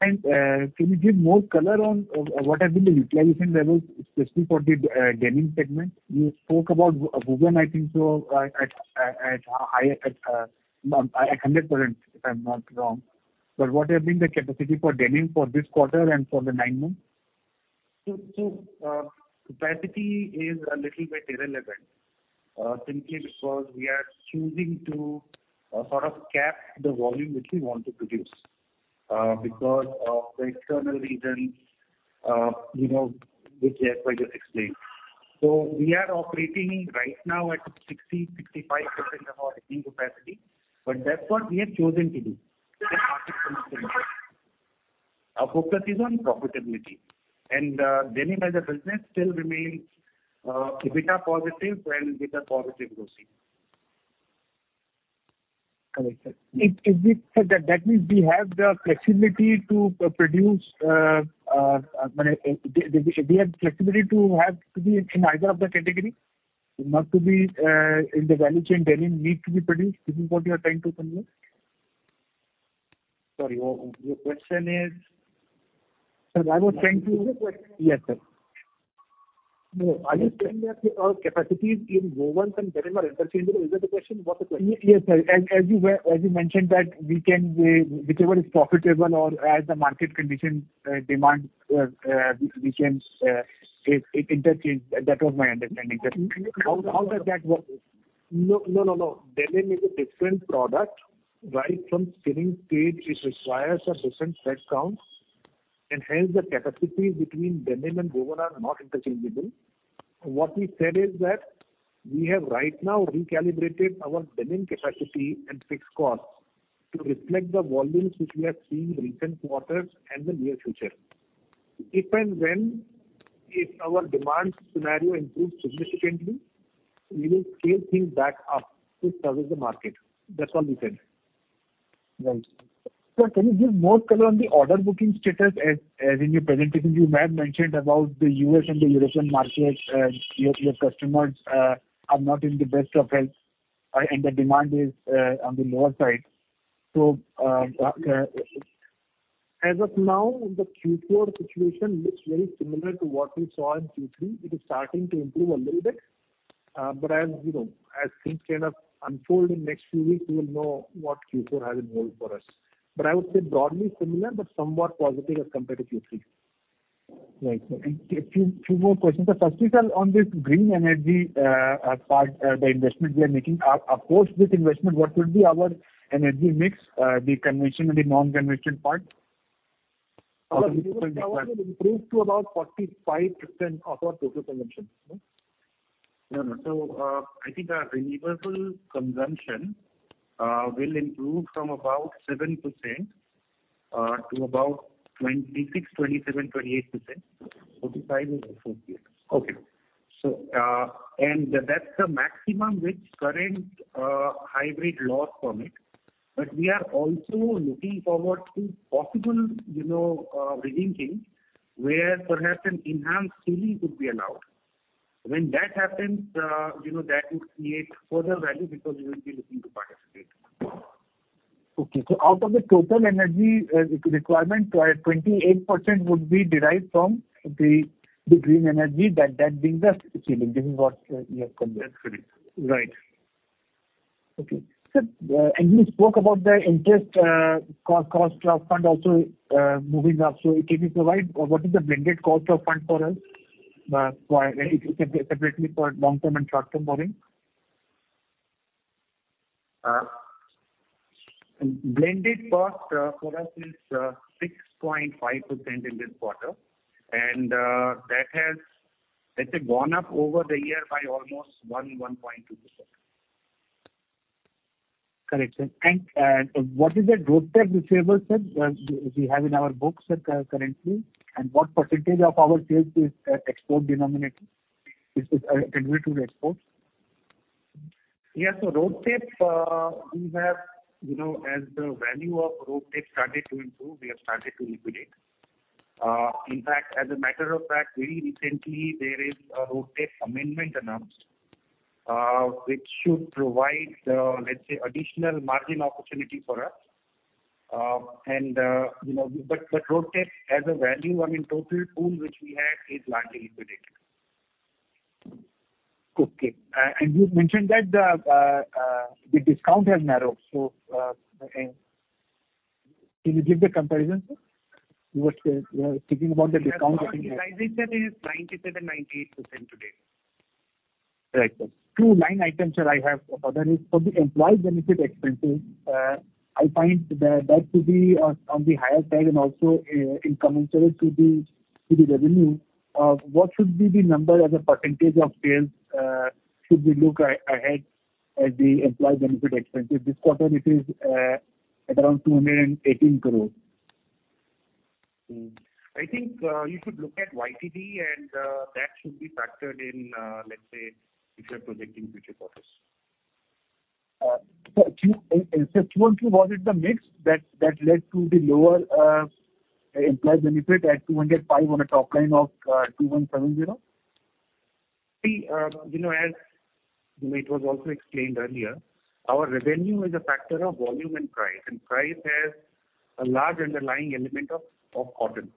And, can you give more color on what has been the utilization levels, specifically for the Denim segment? You spoke about Woven, I think so, at higher, at 100%, if I'm not wrong. But what has been the capacity for Denim for this quarter and for the nine months? So, capacity is a little bit irrelevant, simply because we are choosing to sort of cap the volume which we want to produce, because of the external reasons, you know, which I just explained. So we are operating right now at 60-65% of our existing capacity, but that's what we have chosen to do. Our focus is on profitability, and, Denim as a business still remains, EBITDA positive and EBITDA positive growing. Correct, sir. So that means we have the flexibility to produce, we have flexibility to have to be in either of the category, not to be, in the value chain Denim need to be produced. This is what you are trying to convey? Sorry, your question is? Sir, I was trying to— Repeat the question. Yes, sir. No, are you saying that our capacities in Woven and Denim are interchangeable? Is that the question? What's the question? Yes, sir. As you were, as you mentioned, that we can, whichever is profitable or as the market condition, demand, we can, it interchange. That was my understanding. How does that work? No, no, no, no. Denim is a different product. Right from spinning stage, it requires a different thread counts, and hence the capacities between Denim and Woven are not interchangeable. What we said is that we have right now recalibrated our Denim capacity and fixed costs to reflect the volumes which we have seen in recent quarters and the near future. If and when, if our demand scenario improves significantly, we will scale things back up to service the market. That's all we said. Right. Sir, can you give more color on the order booking status? As in your presentation, you may have mentioned about the U.S. and the European markets, your customers are not in the best of health, and the demand is on the lower side. So, as of now, the Q4 situation looks very similar to what we saw in Q3. It is starting to improve a little bit, but as you know, as things kind of unfold in next few weeks, we will know what Q4 has in store for us. But I would say broadly similar, but somewhat positive as compared to Q3. Right. Sir, a few more questions. Sir, firstly, sir, on this green energy part, the investment we are making. Of course, this investment, what will be our energy mix, the conventional and the non-conventional part? Our will improve to about 45% of our total consumption. No, no. So, I think our renewable consumption will improve from about 7% to about 26%-28%. 45 is associated. Okay. So, and that's the maximum which current hybrid laws permit. But we are also looking forward to possible, you know, rethinking, where perhaps an enhanced ceiling could be allowed. When that happens, you know, that would create further value because we will be looking to participate. Okay. So out of the total energy, requirement, 28% would be derived from the, the green energy, that, that being the ceiling. This is what you have conveyed. That's it. Right. Okay. Sir, and you spoke about the interest, cost, cost of fund also, moving up. So can you provide what is the blended cost of fund for us, for separately for long-term and short-term borrowing? Blended cost, for us is, 6.5% in this quarter, and, that has, let's say, gone up over the year by almost 1%, 1.2%. Correct, sir. And, what is the RoDTEP receivable, sir, we have in our books, currently, and what percentage of our sales is, export denominated? This is related to exports. Yes. So RoDTEP, we have, you know, as the value of RoDTEP started to improve, we have started to liquidate. In fact, as a matter of fact, very recently, there is a RoDTEP amendment announced, which should provide, let's say, additional margin opportunity for us. And, you know, but, but RoDTEP as a value, I mean, total pool, which we have, is largely liquidated. Okay. And you mentioned that the, the discount has narrowed. So, can you give the comparison, sir? You were, thinking about the discount. Yes, our realization is 97%-98% today. Right, sir. Two line items that I have. That is for the employee benefit expenses. I find that that could be on, on the higher side and also incommensurate to the, to the revenue. What should be the number as a percentage of sales? Should we look ahead at the employee benefit expenses? This quarter, it is around 218 crore. I think you should look at YTD, and that should be factored in, let's say, if you are projecting future quarters. So to, sir, to what was it the mix that, that led to the lower employee benefit at 205 crore on a top line of 2,170 crore? See, you know, as it was also explained earlier, our revenue is a factor of volume and price, and price has a large underlying element of, of cotton.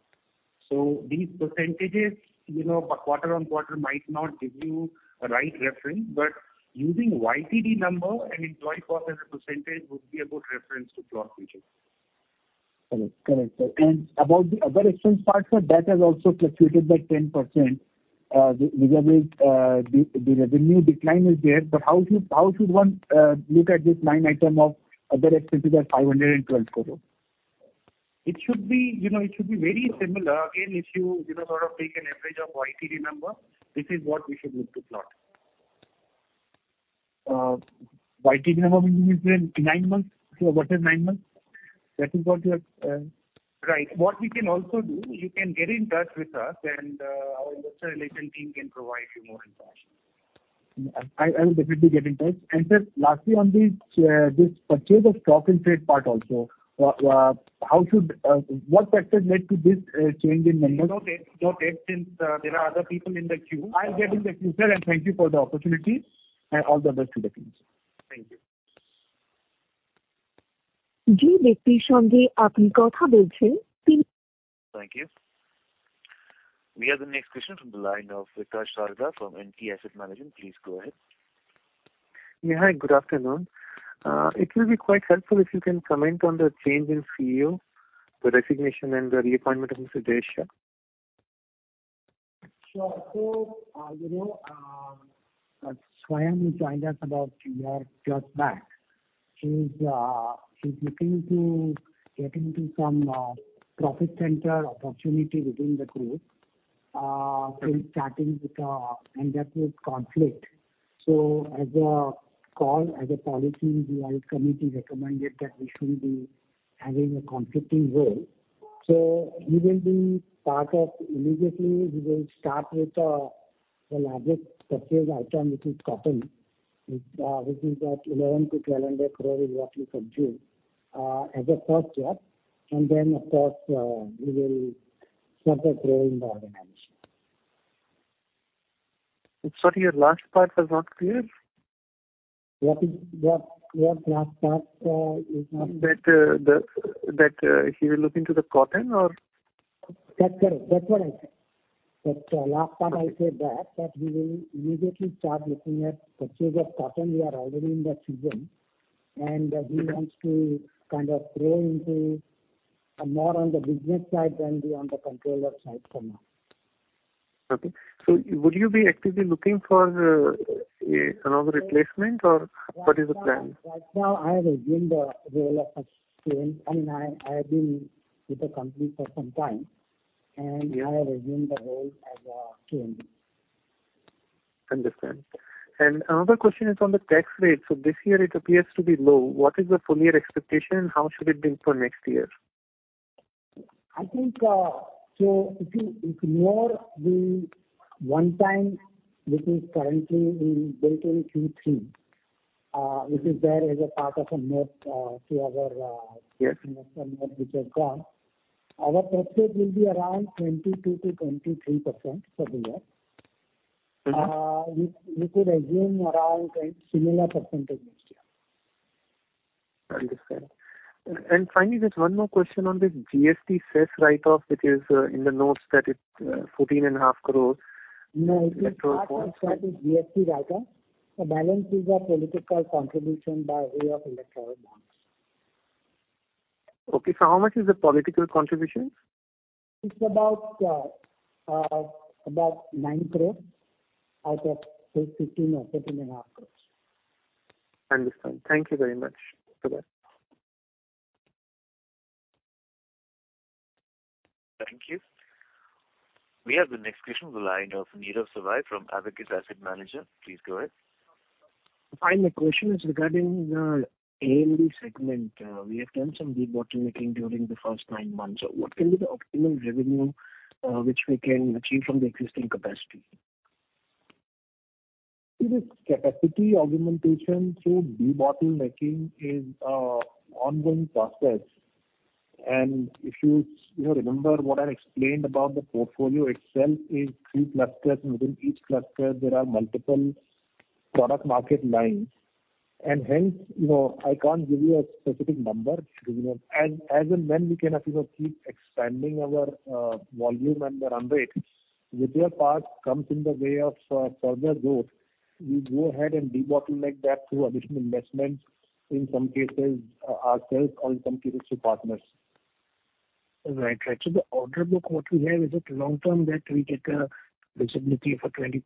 So these percentages, you know, quarter-over-quarter might not give you the right reference, but using YTD number and employee cost as a percentage would be a good reference to plot future. Correct. Correct, sir. And about the other expense part, sir, that has also fluctuated by 10%. The revenue, the, the revenue decline is there, but how should, how should one, look at this line item of other expenses at 512 crore? It should be, you know, it should be very similar. Again, if you, you know, sort of take an average of YTD number, this is what we should look to plot. YTD number means in nine months, so whatever nine months, that is what you are—Right. What we can also do, you can get in touch with us and, our Investor Relations team can provide you more information. I will definitely get in touch. And, sir, lastly, on the, this purchase of stock and trade part also, how should, what factors led to this, change in numbers? You know, since there are other people in the queue. I'll get in the queue, sir, and thank you for the opportunity, and all the best to the team. Thank you. Thank you. We have the next question from the line of Vikas Sharda from NTAsset Management. Please go ahead. Yeah, hi, good afternoon. It will be quite helpful if you can comment on the change in CEO, the resignation and the reappointment of Mr. Jayesh Shah. Sure. So, you know, Swayam joined us about a year plus back. He's, he's looking to get into some profit center opportunity within the group, so he's starting with... And that will conflict. So as a call, as a policy, the audit committee recommended that we shouldn't be having a conflicting role. So he will be part of, immediately, he will start with the largest purchase item, which is cotton, which is at 1,100 crore-1,200 crore, roughly for June, as a first step, and then, of course, he will start the role in the organization. Sorry, your last part was not clear. What is last part is not- That, the, that, he will look into the cotton or? That's correct. That's what I said. That last part I said that he will immediately start looking at purchase of cotton. We are already in the season, and he wants to kind of grow into more on the business side than be on the controller side for now. Okay. So would you be actively looking for another replacement or what is the plan? Right now, I have assumed the role of a CEO, and I have been with the company for some time... and I have assumed the role as our CEO. Understand. Another question is on the tax rate. This year it appears to be low. What is the full year expectation, and how should it be for next year? I think, so if you ignore the one time, which is currently in 2023, which is there as a part of a note, to our, Yes. Which has gone, our tax rate will be around 22%-23% for the year. Okay. You could assume around a similar percentage next year. Understand. Finally, just one more question on this GST sales write-off, which is, in the notes that it's, 14.5 crore. No, it is part of the GST write-off. The balance is a political contribution by way of electoral bonds. Okay. So how much is the political contribution? It's about 9 crore out of, say, 15 crore or 15.5 crore. Understand. Thank you very much. Bye-bye. Thank you. We have the next question on the line of Nirav Savai from Abakkus Asset Manager. Please go ahead. Hi. My question is regarding the AMD segment. We have done some debottlenecking during the first nine months. So what can be the optimal revenue, which we can achieve from the existing capacity? See, this capacity augmentation through debottlenecking is an ongoing process. And if you, you know, remember what I explained about the portfolio itself is three clusters, and within each cluster there are multiple product market lines. And hence, you know, I can't give you a specific number. As, as and when we can, you know, keep expanding our volume and the run rate, with their part comes in the way of further growth. We go ahead and debottleneck that through additional investments, in some cases, ourselves, or in some cases, through partners. Right. Right. So the order book, what we have, is it long term that we get a visibility for 20%+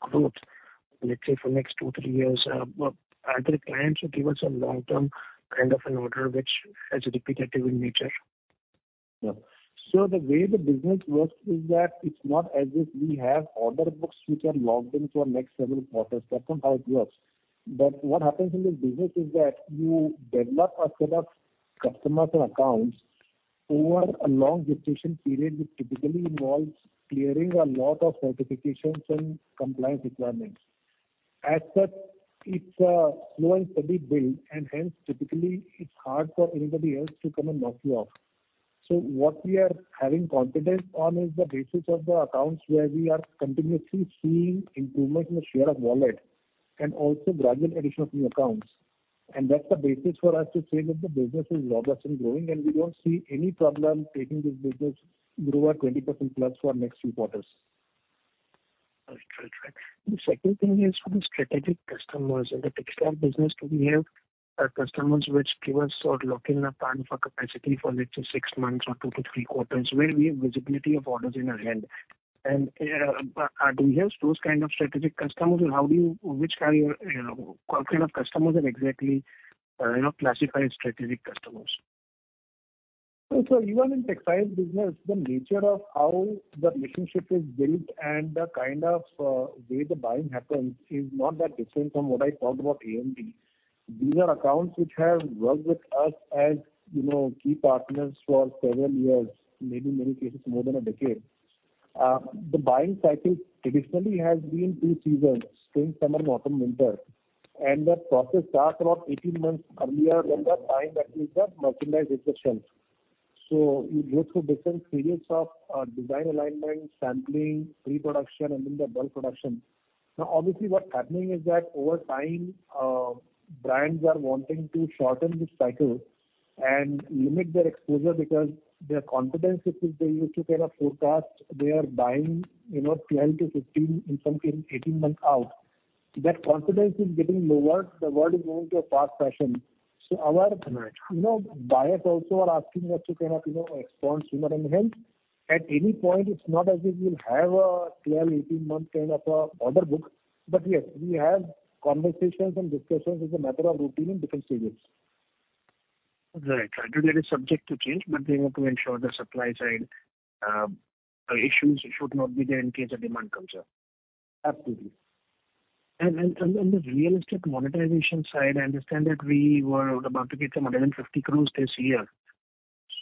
growth, let's say, for next two, three years? But are there clients who give us a long-term kind of an order which is repetitive in nature? Yeah. So the way the business works is that it's not as if we have order books which are locked into our next several quarters. That's not how it works. But what happens in this business is that you develop a set of customers and accounts over a long gestation period, which typically involves clearing a lot of certifications and compliance requirements. As such, it's a slow and steady build, and hence typically it's hard for anybody else to come and knock you off. So what we are having confidence on is the basis of the accounts where we are continuously seeing improvement in the share of wallet and also gradual addition of new accounts. And that's the basis for us to say that the business is robust and growing, and we don't see any problem taking this business grow at 20%+ for next few quarters. Right. Right. Right. The second thing is for the strategic customers. In the Textile business, do we have customers which give us or lock in a plan for capacity for let's say, six months or two to three quarters, where we have visibility of orders in our hand? And, do we have those kind of strategic customers, and how do you... Which kind, you know, what kind of customers are exactly, you know, classified as strategic customers? So even in Textiles business, the nature of how the relationship is built and the kind of way the buying happens is not that different from what I talked about AMD. These are accounts which have worked with us as, you know, key partners for several years, maybe in many cases, more than a decade. The buying cycle traditionally has been two seasons, spring, summer, autumn, winter. The process starts about 18 months earlier than the time that the merchandise hits the shelf. You go through different phases of design alignment, sampling, pre-production, and then the bulk production. Now, obviously, what's happening is that over time, brands are wanting to shorten this cycle and limit their exposure because their confidence, which they used to kind of forecast, they are buying, you know, 12-15, in some cases, 18 months out. That confidence is getting lower. The world is moving to a fast fashion. Right. So our, you know, buyers also are asking us to kind of, you know, expand sooner and hence. At any point, it's not as if we'll have a clear 18-month kind of a order book. But yes, we have conversations and discussions as a matter of routine in different stages. Right. Right. Today, it is subject to change, but they want to ensure the supply side, issues should not be there in case a demand comes up. Absolutely. On the realistic monetization side, I understand that we were about to get some 1,150 crore this year.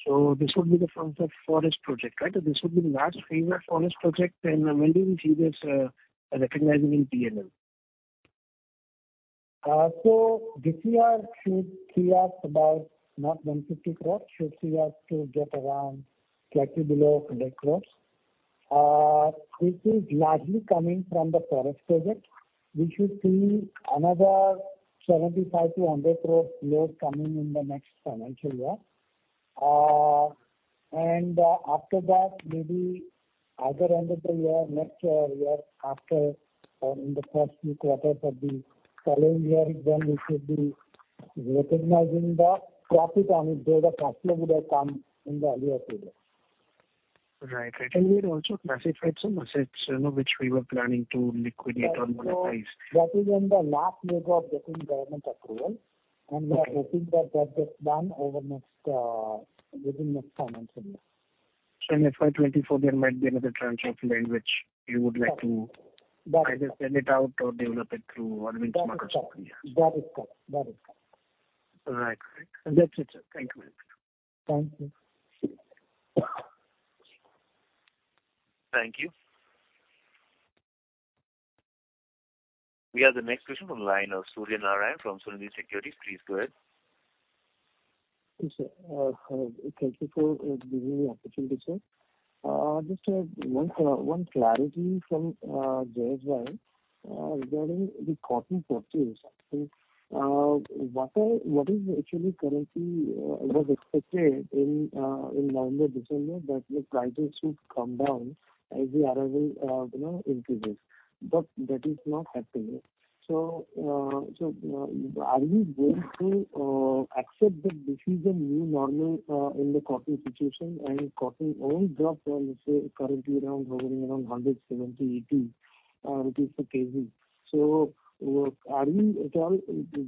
So this would be the funds of Forreste project, right? This would be the last payment Forreste project, and when do we see this recognizing in P&L? So this year should clear about net 150 crore, should see us to get around slightly below 10 crore. This is largely coming from the Forreste project. We should see another 75 crore-100 crore load coming in the next financial year. And, after that, maybe either end of the year, next year, year after, or in the first few quarters of the calendar year, then we should be recognizing the profit on it, though the profit would have come in the earlier period. Right. Right. And we had also classified some assets, you know, which we were planning to liquidate or monetize. That is in the last stage of getting government approval.... and we are hoping that that gets done over next, within next five months or so. In FY 2024, there might be another tranche of land which you would like to- That- Either send it out or develop it through one means of market. That is correct. That is correct. Right. Right. That's it, sir. Thank you. Thank you. Thank you. We have the next question on the line of Surya Narayan from Sunidhi Securities. Please go ahead. Yes, sir. Thank you for giving me the opportunity, sir. Just one clarity from Jayesh Shah regarding the cotton purchase. What is actually currently was expected in November, December, that the prices should come down as the arrival you know increases, but that is not happening. So are you going to accept that this is the new normal in the cotton situation, and cotton won't drop, say, currently around hovering around 170-180 per kg. So are we at all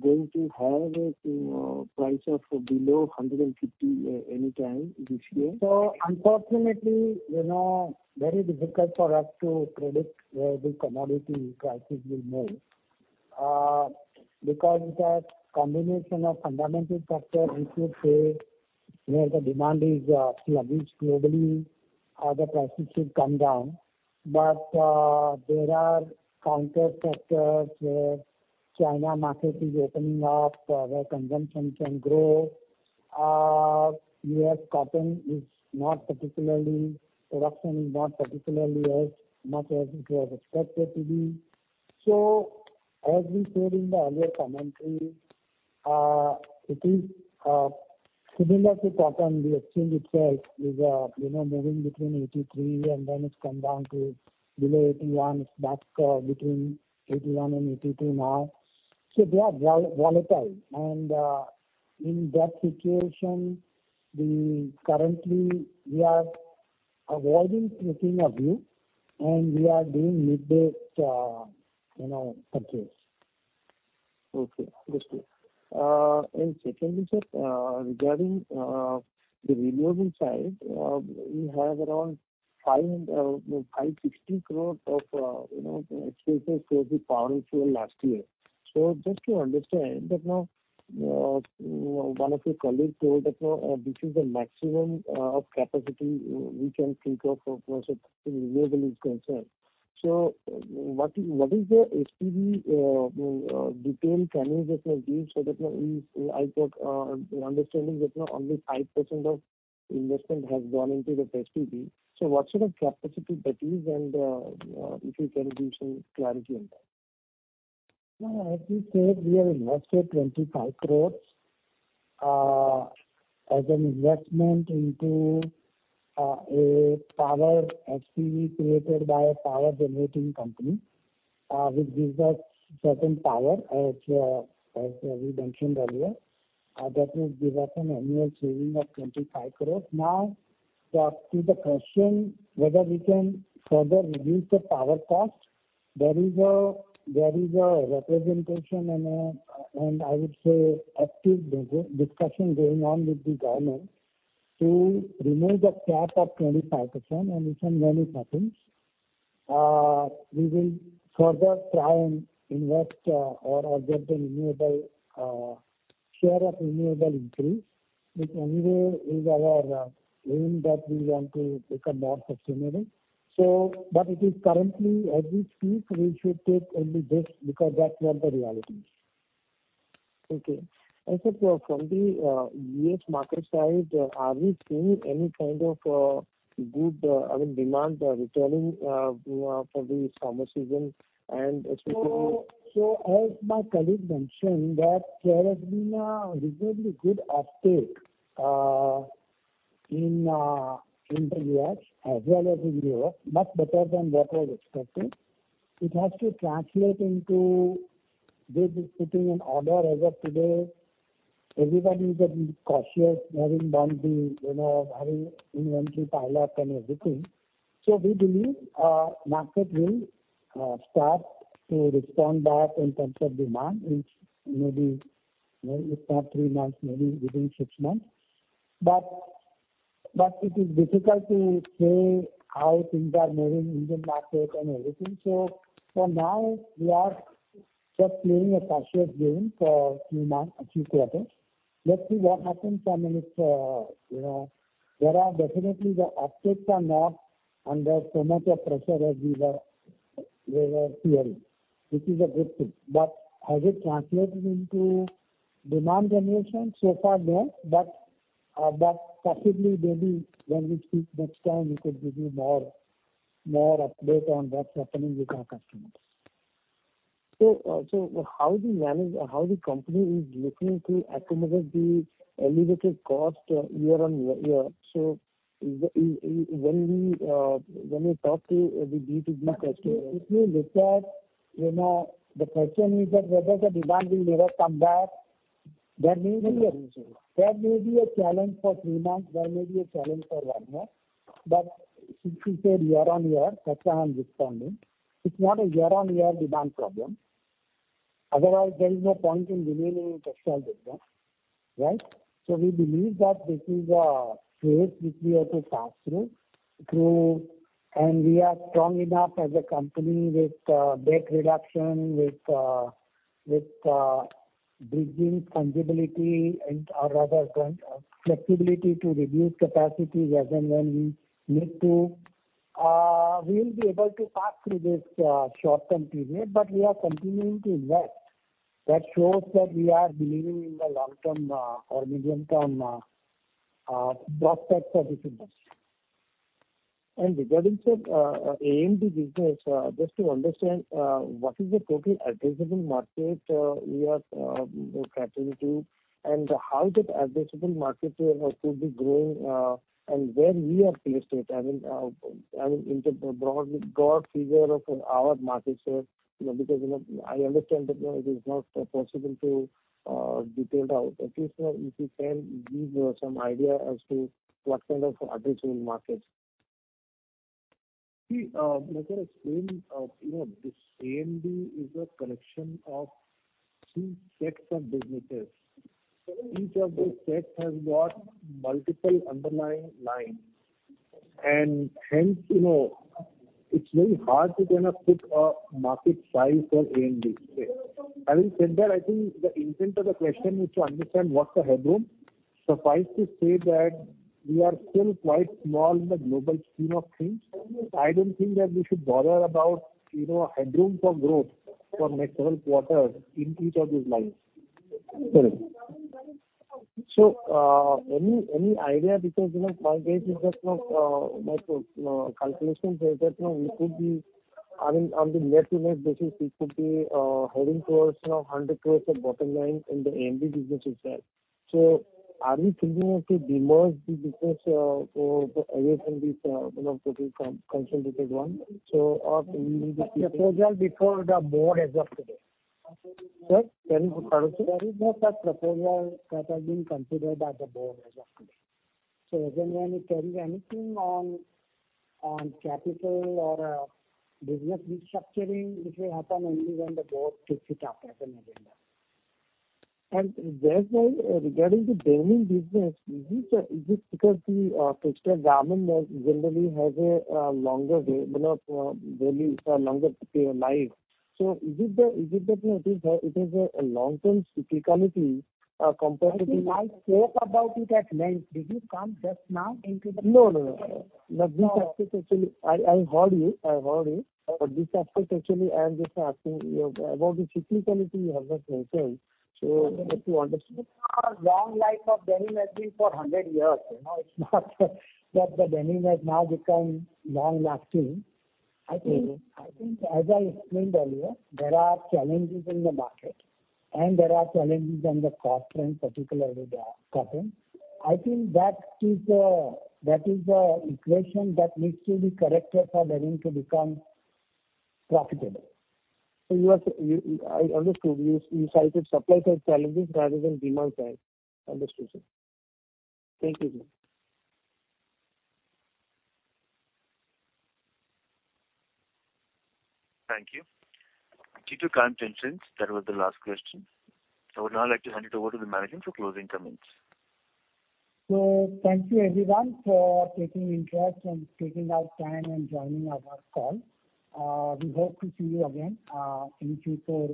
going to have price of below 150 per kg anytime this year? So unfortunately, you know, very difficult for us to predict the commodity prices will move because it has combination of fundamental factors, we could say, where the demand is sluggish globally or the prices should come down. But there are counter factors where China market is opening up where consumption can grow. Yes, cotton is not particularly, production is not particularly as much as it was expected to be. So as we said in the earlier commentary, it is similar to cotton, the exchange itself is, you know, moving between 83, and then it's come down to below 81. It's back between 81 and 82 now. So they are volatile, and in that situation, we currently are avoiding taking a view, and we are doing mid-day, you know, purchase. Okay, understood. And second, sir, regarding the renewable side, we have around 560 crore of, you know, expenses towards the power fuel last year. So just to understand that now, one of your colleagues told that, now, this is the maximum capacity we can think of as far as renewable is concerned. So what is, what is the SPV detail can you just give so that now we—I got understanding that now only 5% of investment has gone into the SPV. So what sort of capacity that is, and, if you can give some clarity on that? No, as we said, we have invested 25 crore, as an investment into, a power SPV created by a power generating company, which gives us certain power, as, as we mentioned earlier, that will give us an annual saving of 25 crore. Now, back to the question whether we can further reduce the power cost, there is a representation and I would say, active discussion going on with the government to remove the cap of 25%, and we can manage that things. We will further try and invest, or get the renewable share of renewable increase, which anyway is our aim that we want to become more sustainable. So but it is currently, as we speak, we should take only this, because that's not the reality. Okay. And sir, from the U.S. market side, are we seeing any kind of good, I mean, demand returning, you know, for the summer season and especially- So as my colleague mentioned, that there has been a reasonably good uptake in the U.S. as well as in Europe, much better than what I was expecting. It has to translate into them putting an order as of today. Everybody is a bit cautious, having done the, you know, having inventory pile up and everything. So we believe market will start to respond back in terms of demand, which may be, you know, if not three months, maybe within six months. But it is difficult to say how things are moving in the market and everything. So for now, we are just playing a cautious game for demand achievement. Let's see what happens when it's, you know. There are definitely the updates are not under so much of pressure as we were fearing, which is a good thing. But has it translated into demand generation? So far, no. But, but possibly, maybe when we speak next time, we could give you more, more update on what's happening with our customers. So, so how do you manage- how the company is looking to accommodate the elevated cost year on year, year? So when we, when we talk to the B2B customer- If you look at, you know, the question is that whether the demand will never come back, that may be a- Yes, sir. That may be a challenge for three months, that may be a challenge for one year. But if you said year-on-year, textile is responding. It's not a year-on-year demand problem. Otherwise, there is no point in remaining in Textile business, right? So we believe that this is a phase which we have to pass through, and we are strong enough as a company with debt reduction, with bridging fungibility and, or rather, flexibility to reduce capacity as and when we need to. We will be able to pass through this short-term period, but we are continuing to invest. That shows that we are believing in the long-term or medium-term prospects of this business. Regarding the AMD business, just to understand what is the total addressable market we are capturing to, and how that addressable market share has to be growing, and where we are placed it. I mean, I mean, in the broad, broad figure of our market share, you know, because, you know, I understand that, you know, it is not possible to detail it out. At least, you know, if you can give some idea as to what kind of addressable market. See, like I explained, you know, this AMD is a collection of two sets of businesses. Each of those sets has got multiple underlying lines, and hence, you know, it's very hard to kind of put a market size for AMD. I will say that I think the intent of the question is to understand what's the headroom. Suffice to say that we are still quite small in the global scheme of things. I don't think that we should bother about, you know, headroom for growth for next 12 quarters in each of these lines. So, any idea, because, you know, my gauge is just not my calculations is that, you know, we could be, I mean, on the year-over-year basis, it could be heading towards, you know, 100 crore of bottom line in the AMD business itself. So are we thinking of to demerge the business, or away from this, you know, total concentrated one? So or we will be- Before the Board as of today. Sir, can you pardon me? There is no such proposal that has been considered by the Board as of today. So again, when we carry anything on capital or business restructuring, it will happen only when the Board takes it up as an agenda. Whereas, regarding the Denim business, is it, is it because the textile Garment generally has a longer, you know, really longer life. So is it the, is it the, it is a long-term cyclicality, compared to the- I think I spoke about it at length. Did you come just now into the- No, no, no. But this aspect actually, I, I heard you. I heard you. But this aspect actually, I am just asking you about the cyclicality you have just mentioned. So if you understand- Long life of Denim has been for 100 years, you know, it's not that the Denim has now become long-lasting. I think, I think as I explained earlier, there are challenges in the market, and there are challenges on the cost front, particularly the cotton. I think that is, that is the equation that needs to be corrected for Denim to become profitable. So you are... I understood. You, you cited supply side challenges rather than demand side. Understood, sir. Thank you, sir. Thank you. Due to time constraints, that was the last question. I would now like to hand it over to the management for closing comments. Thank you everyone for taking interest and taking out time and joining our call. We hope to see you again in future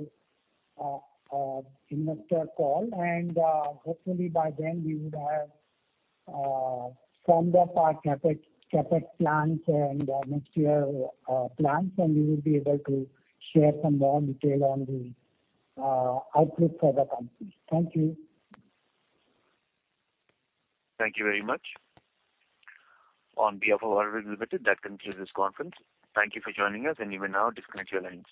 investor call. Hopefully by then we would have firmed up our CapEx, CapEx plans and next year plans, and we will be able to share some more detail on the outlook for the company. Thank you. Thank you very much. On behalf of Arvind Limited, that concludes this conference. Thank you for joining us, and you may now disconnect your lines.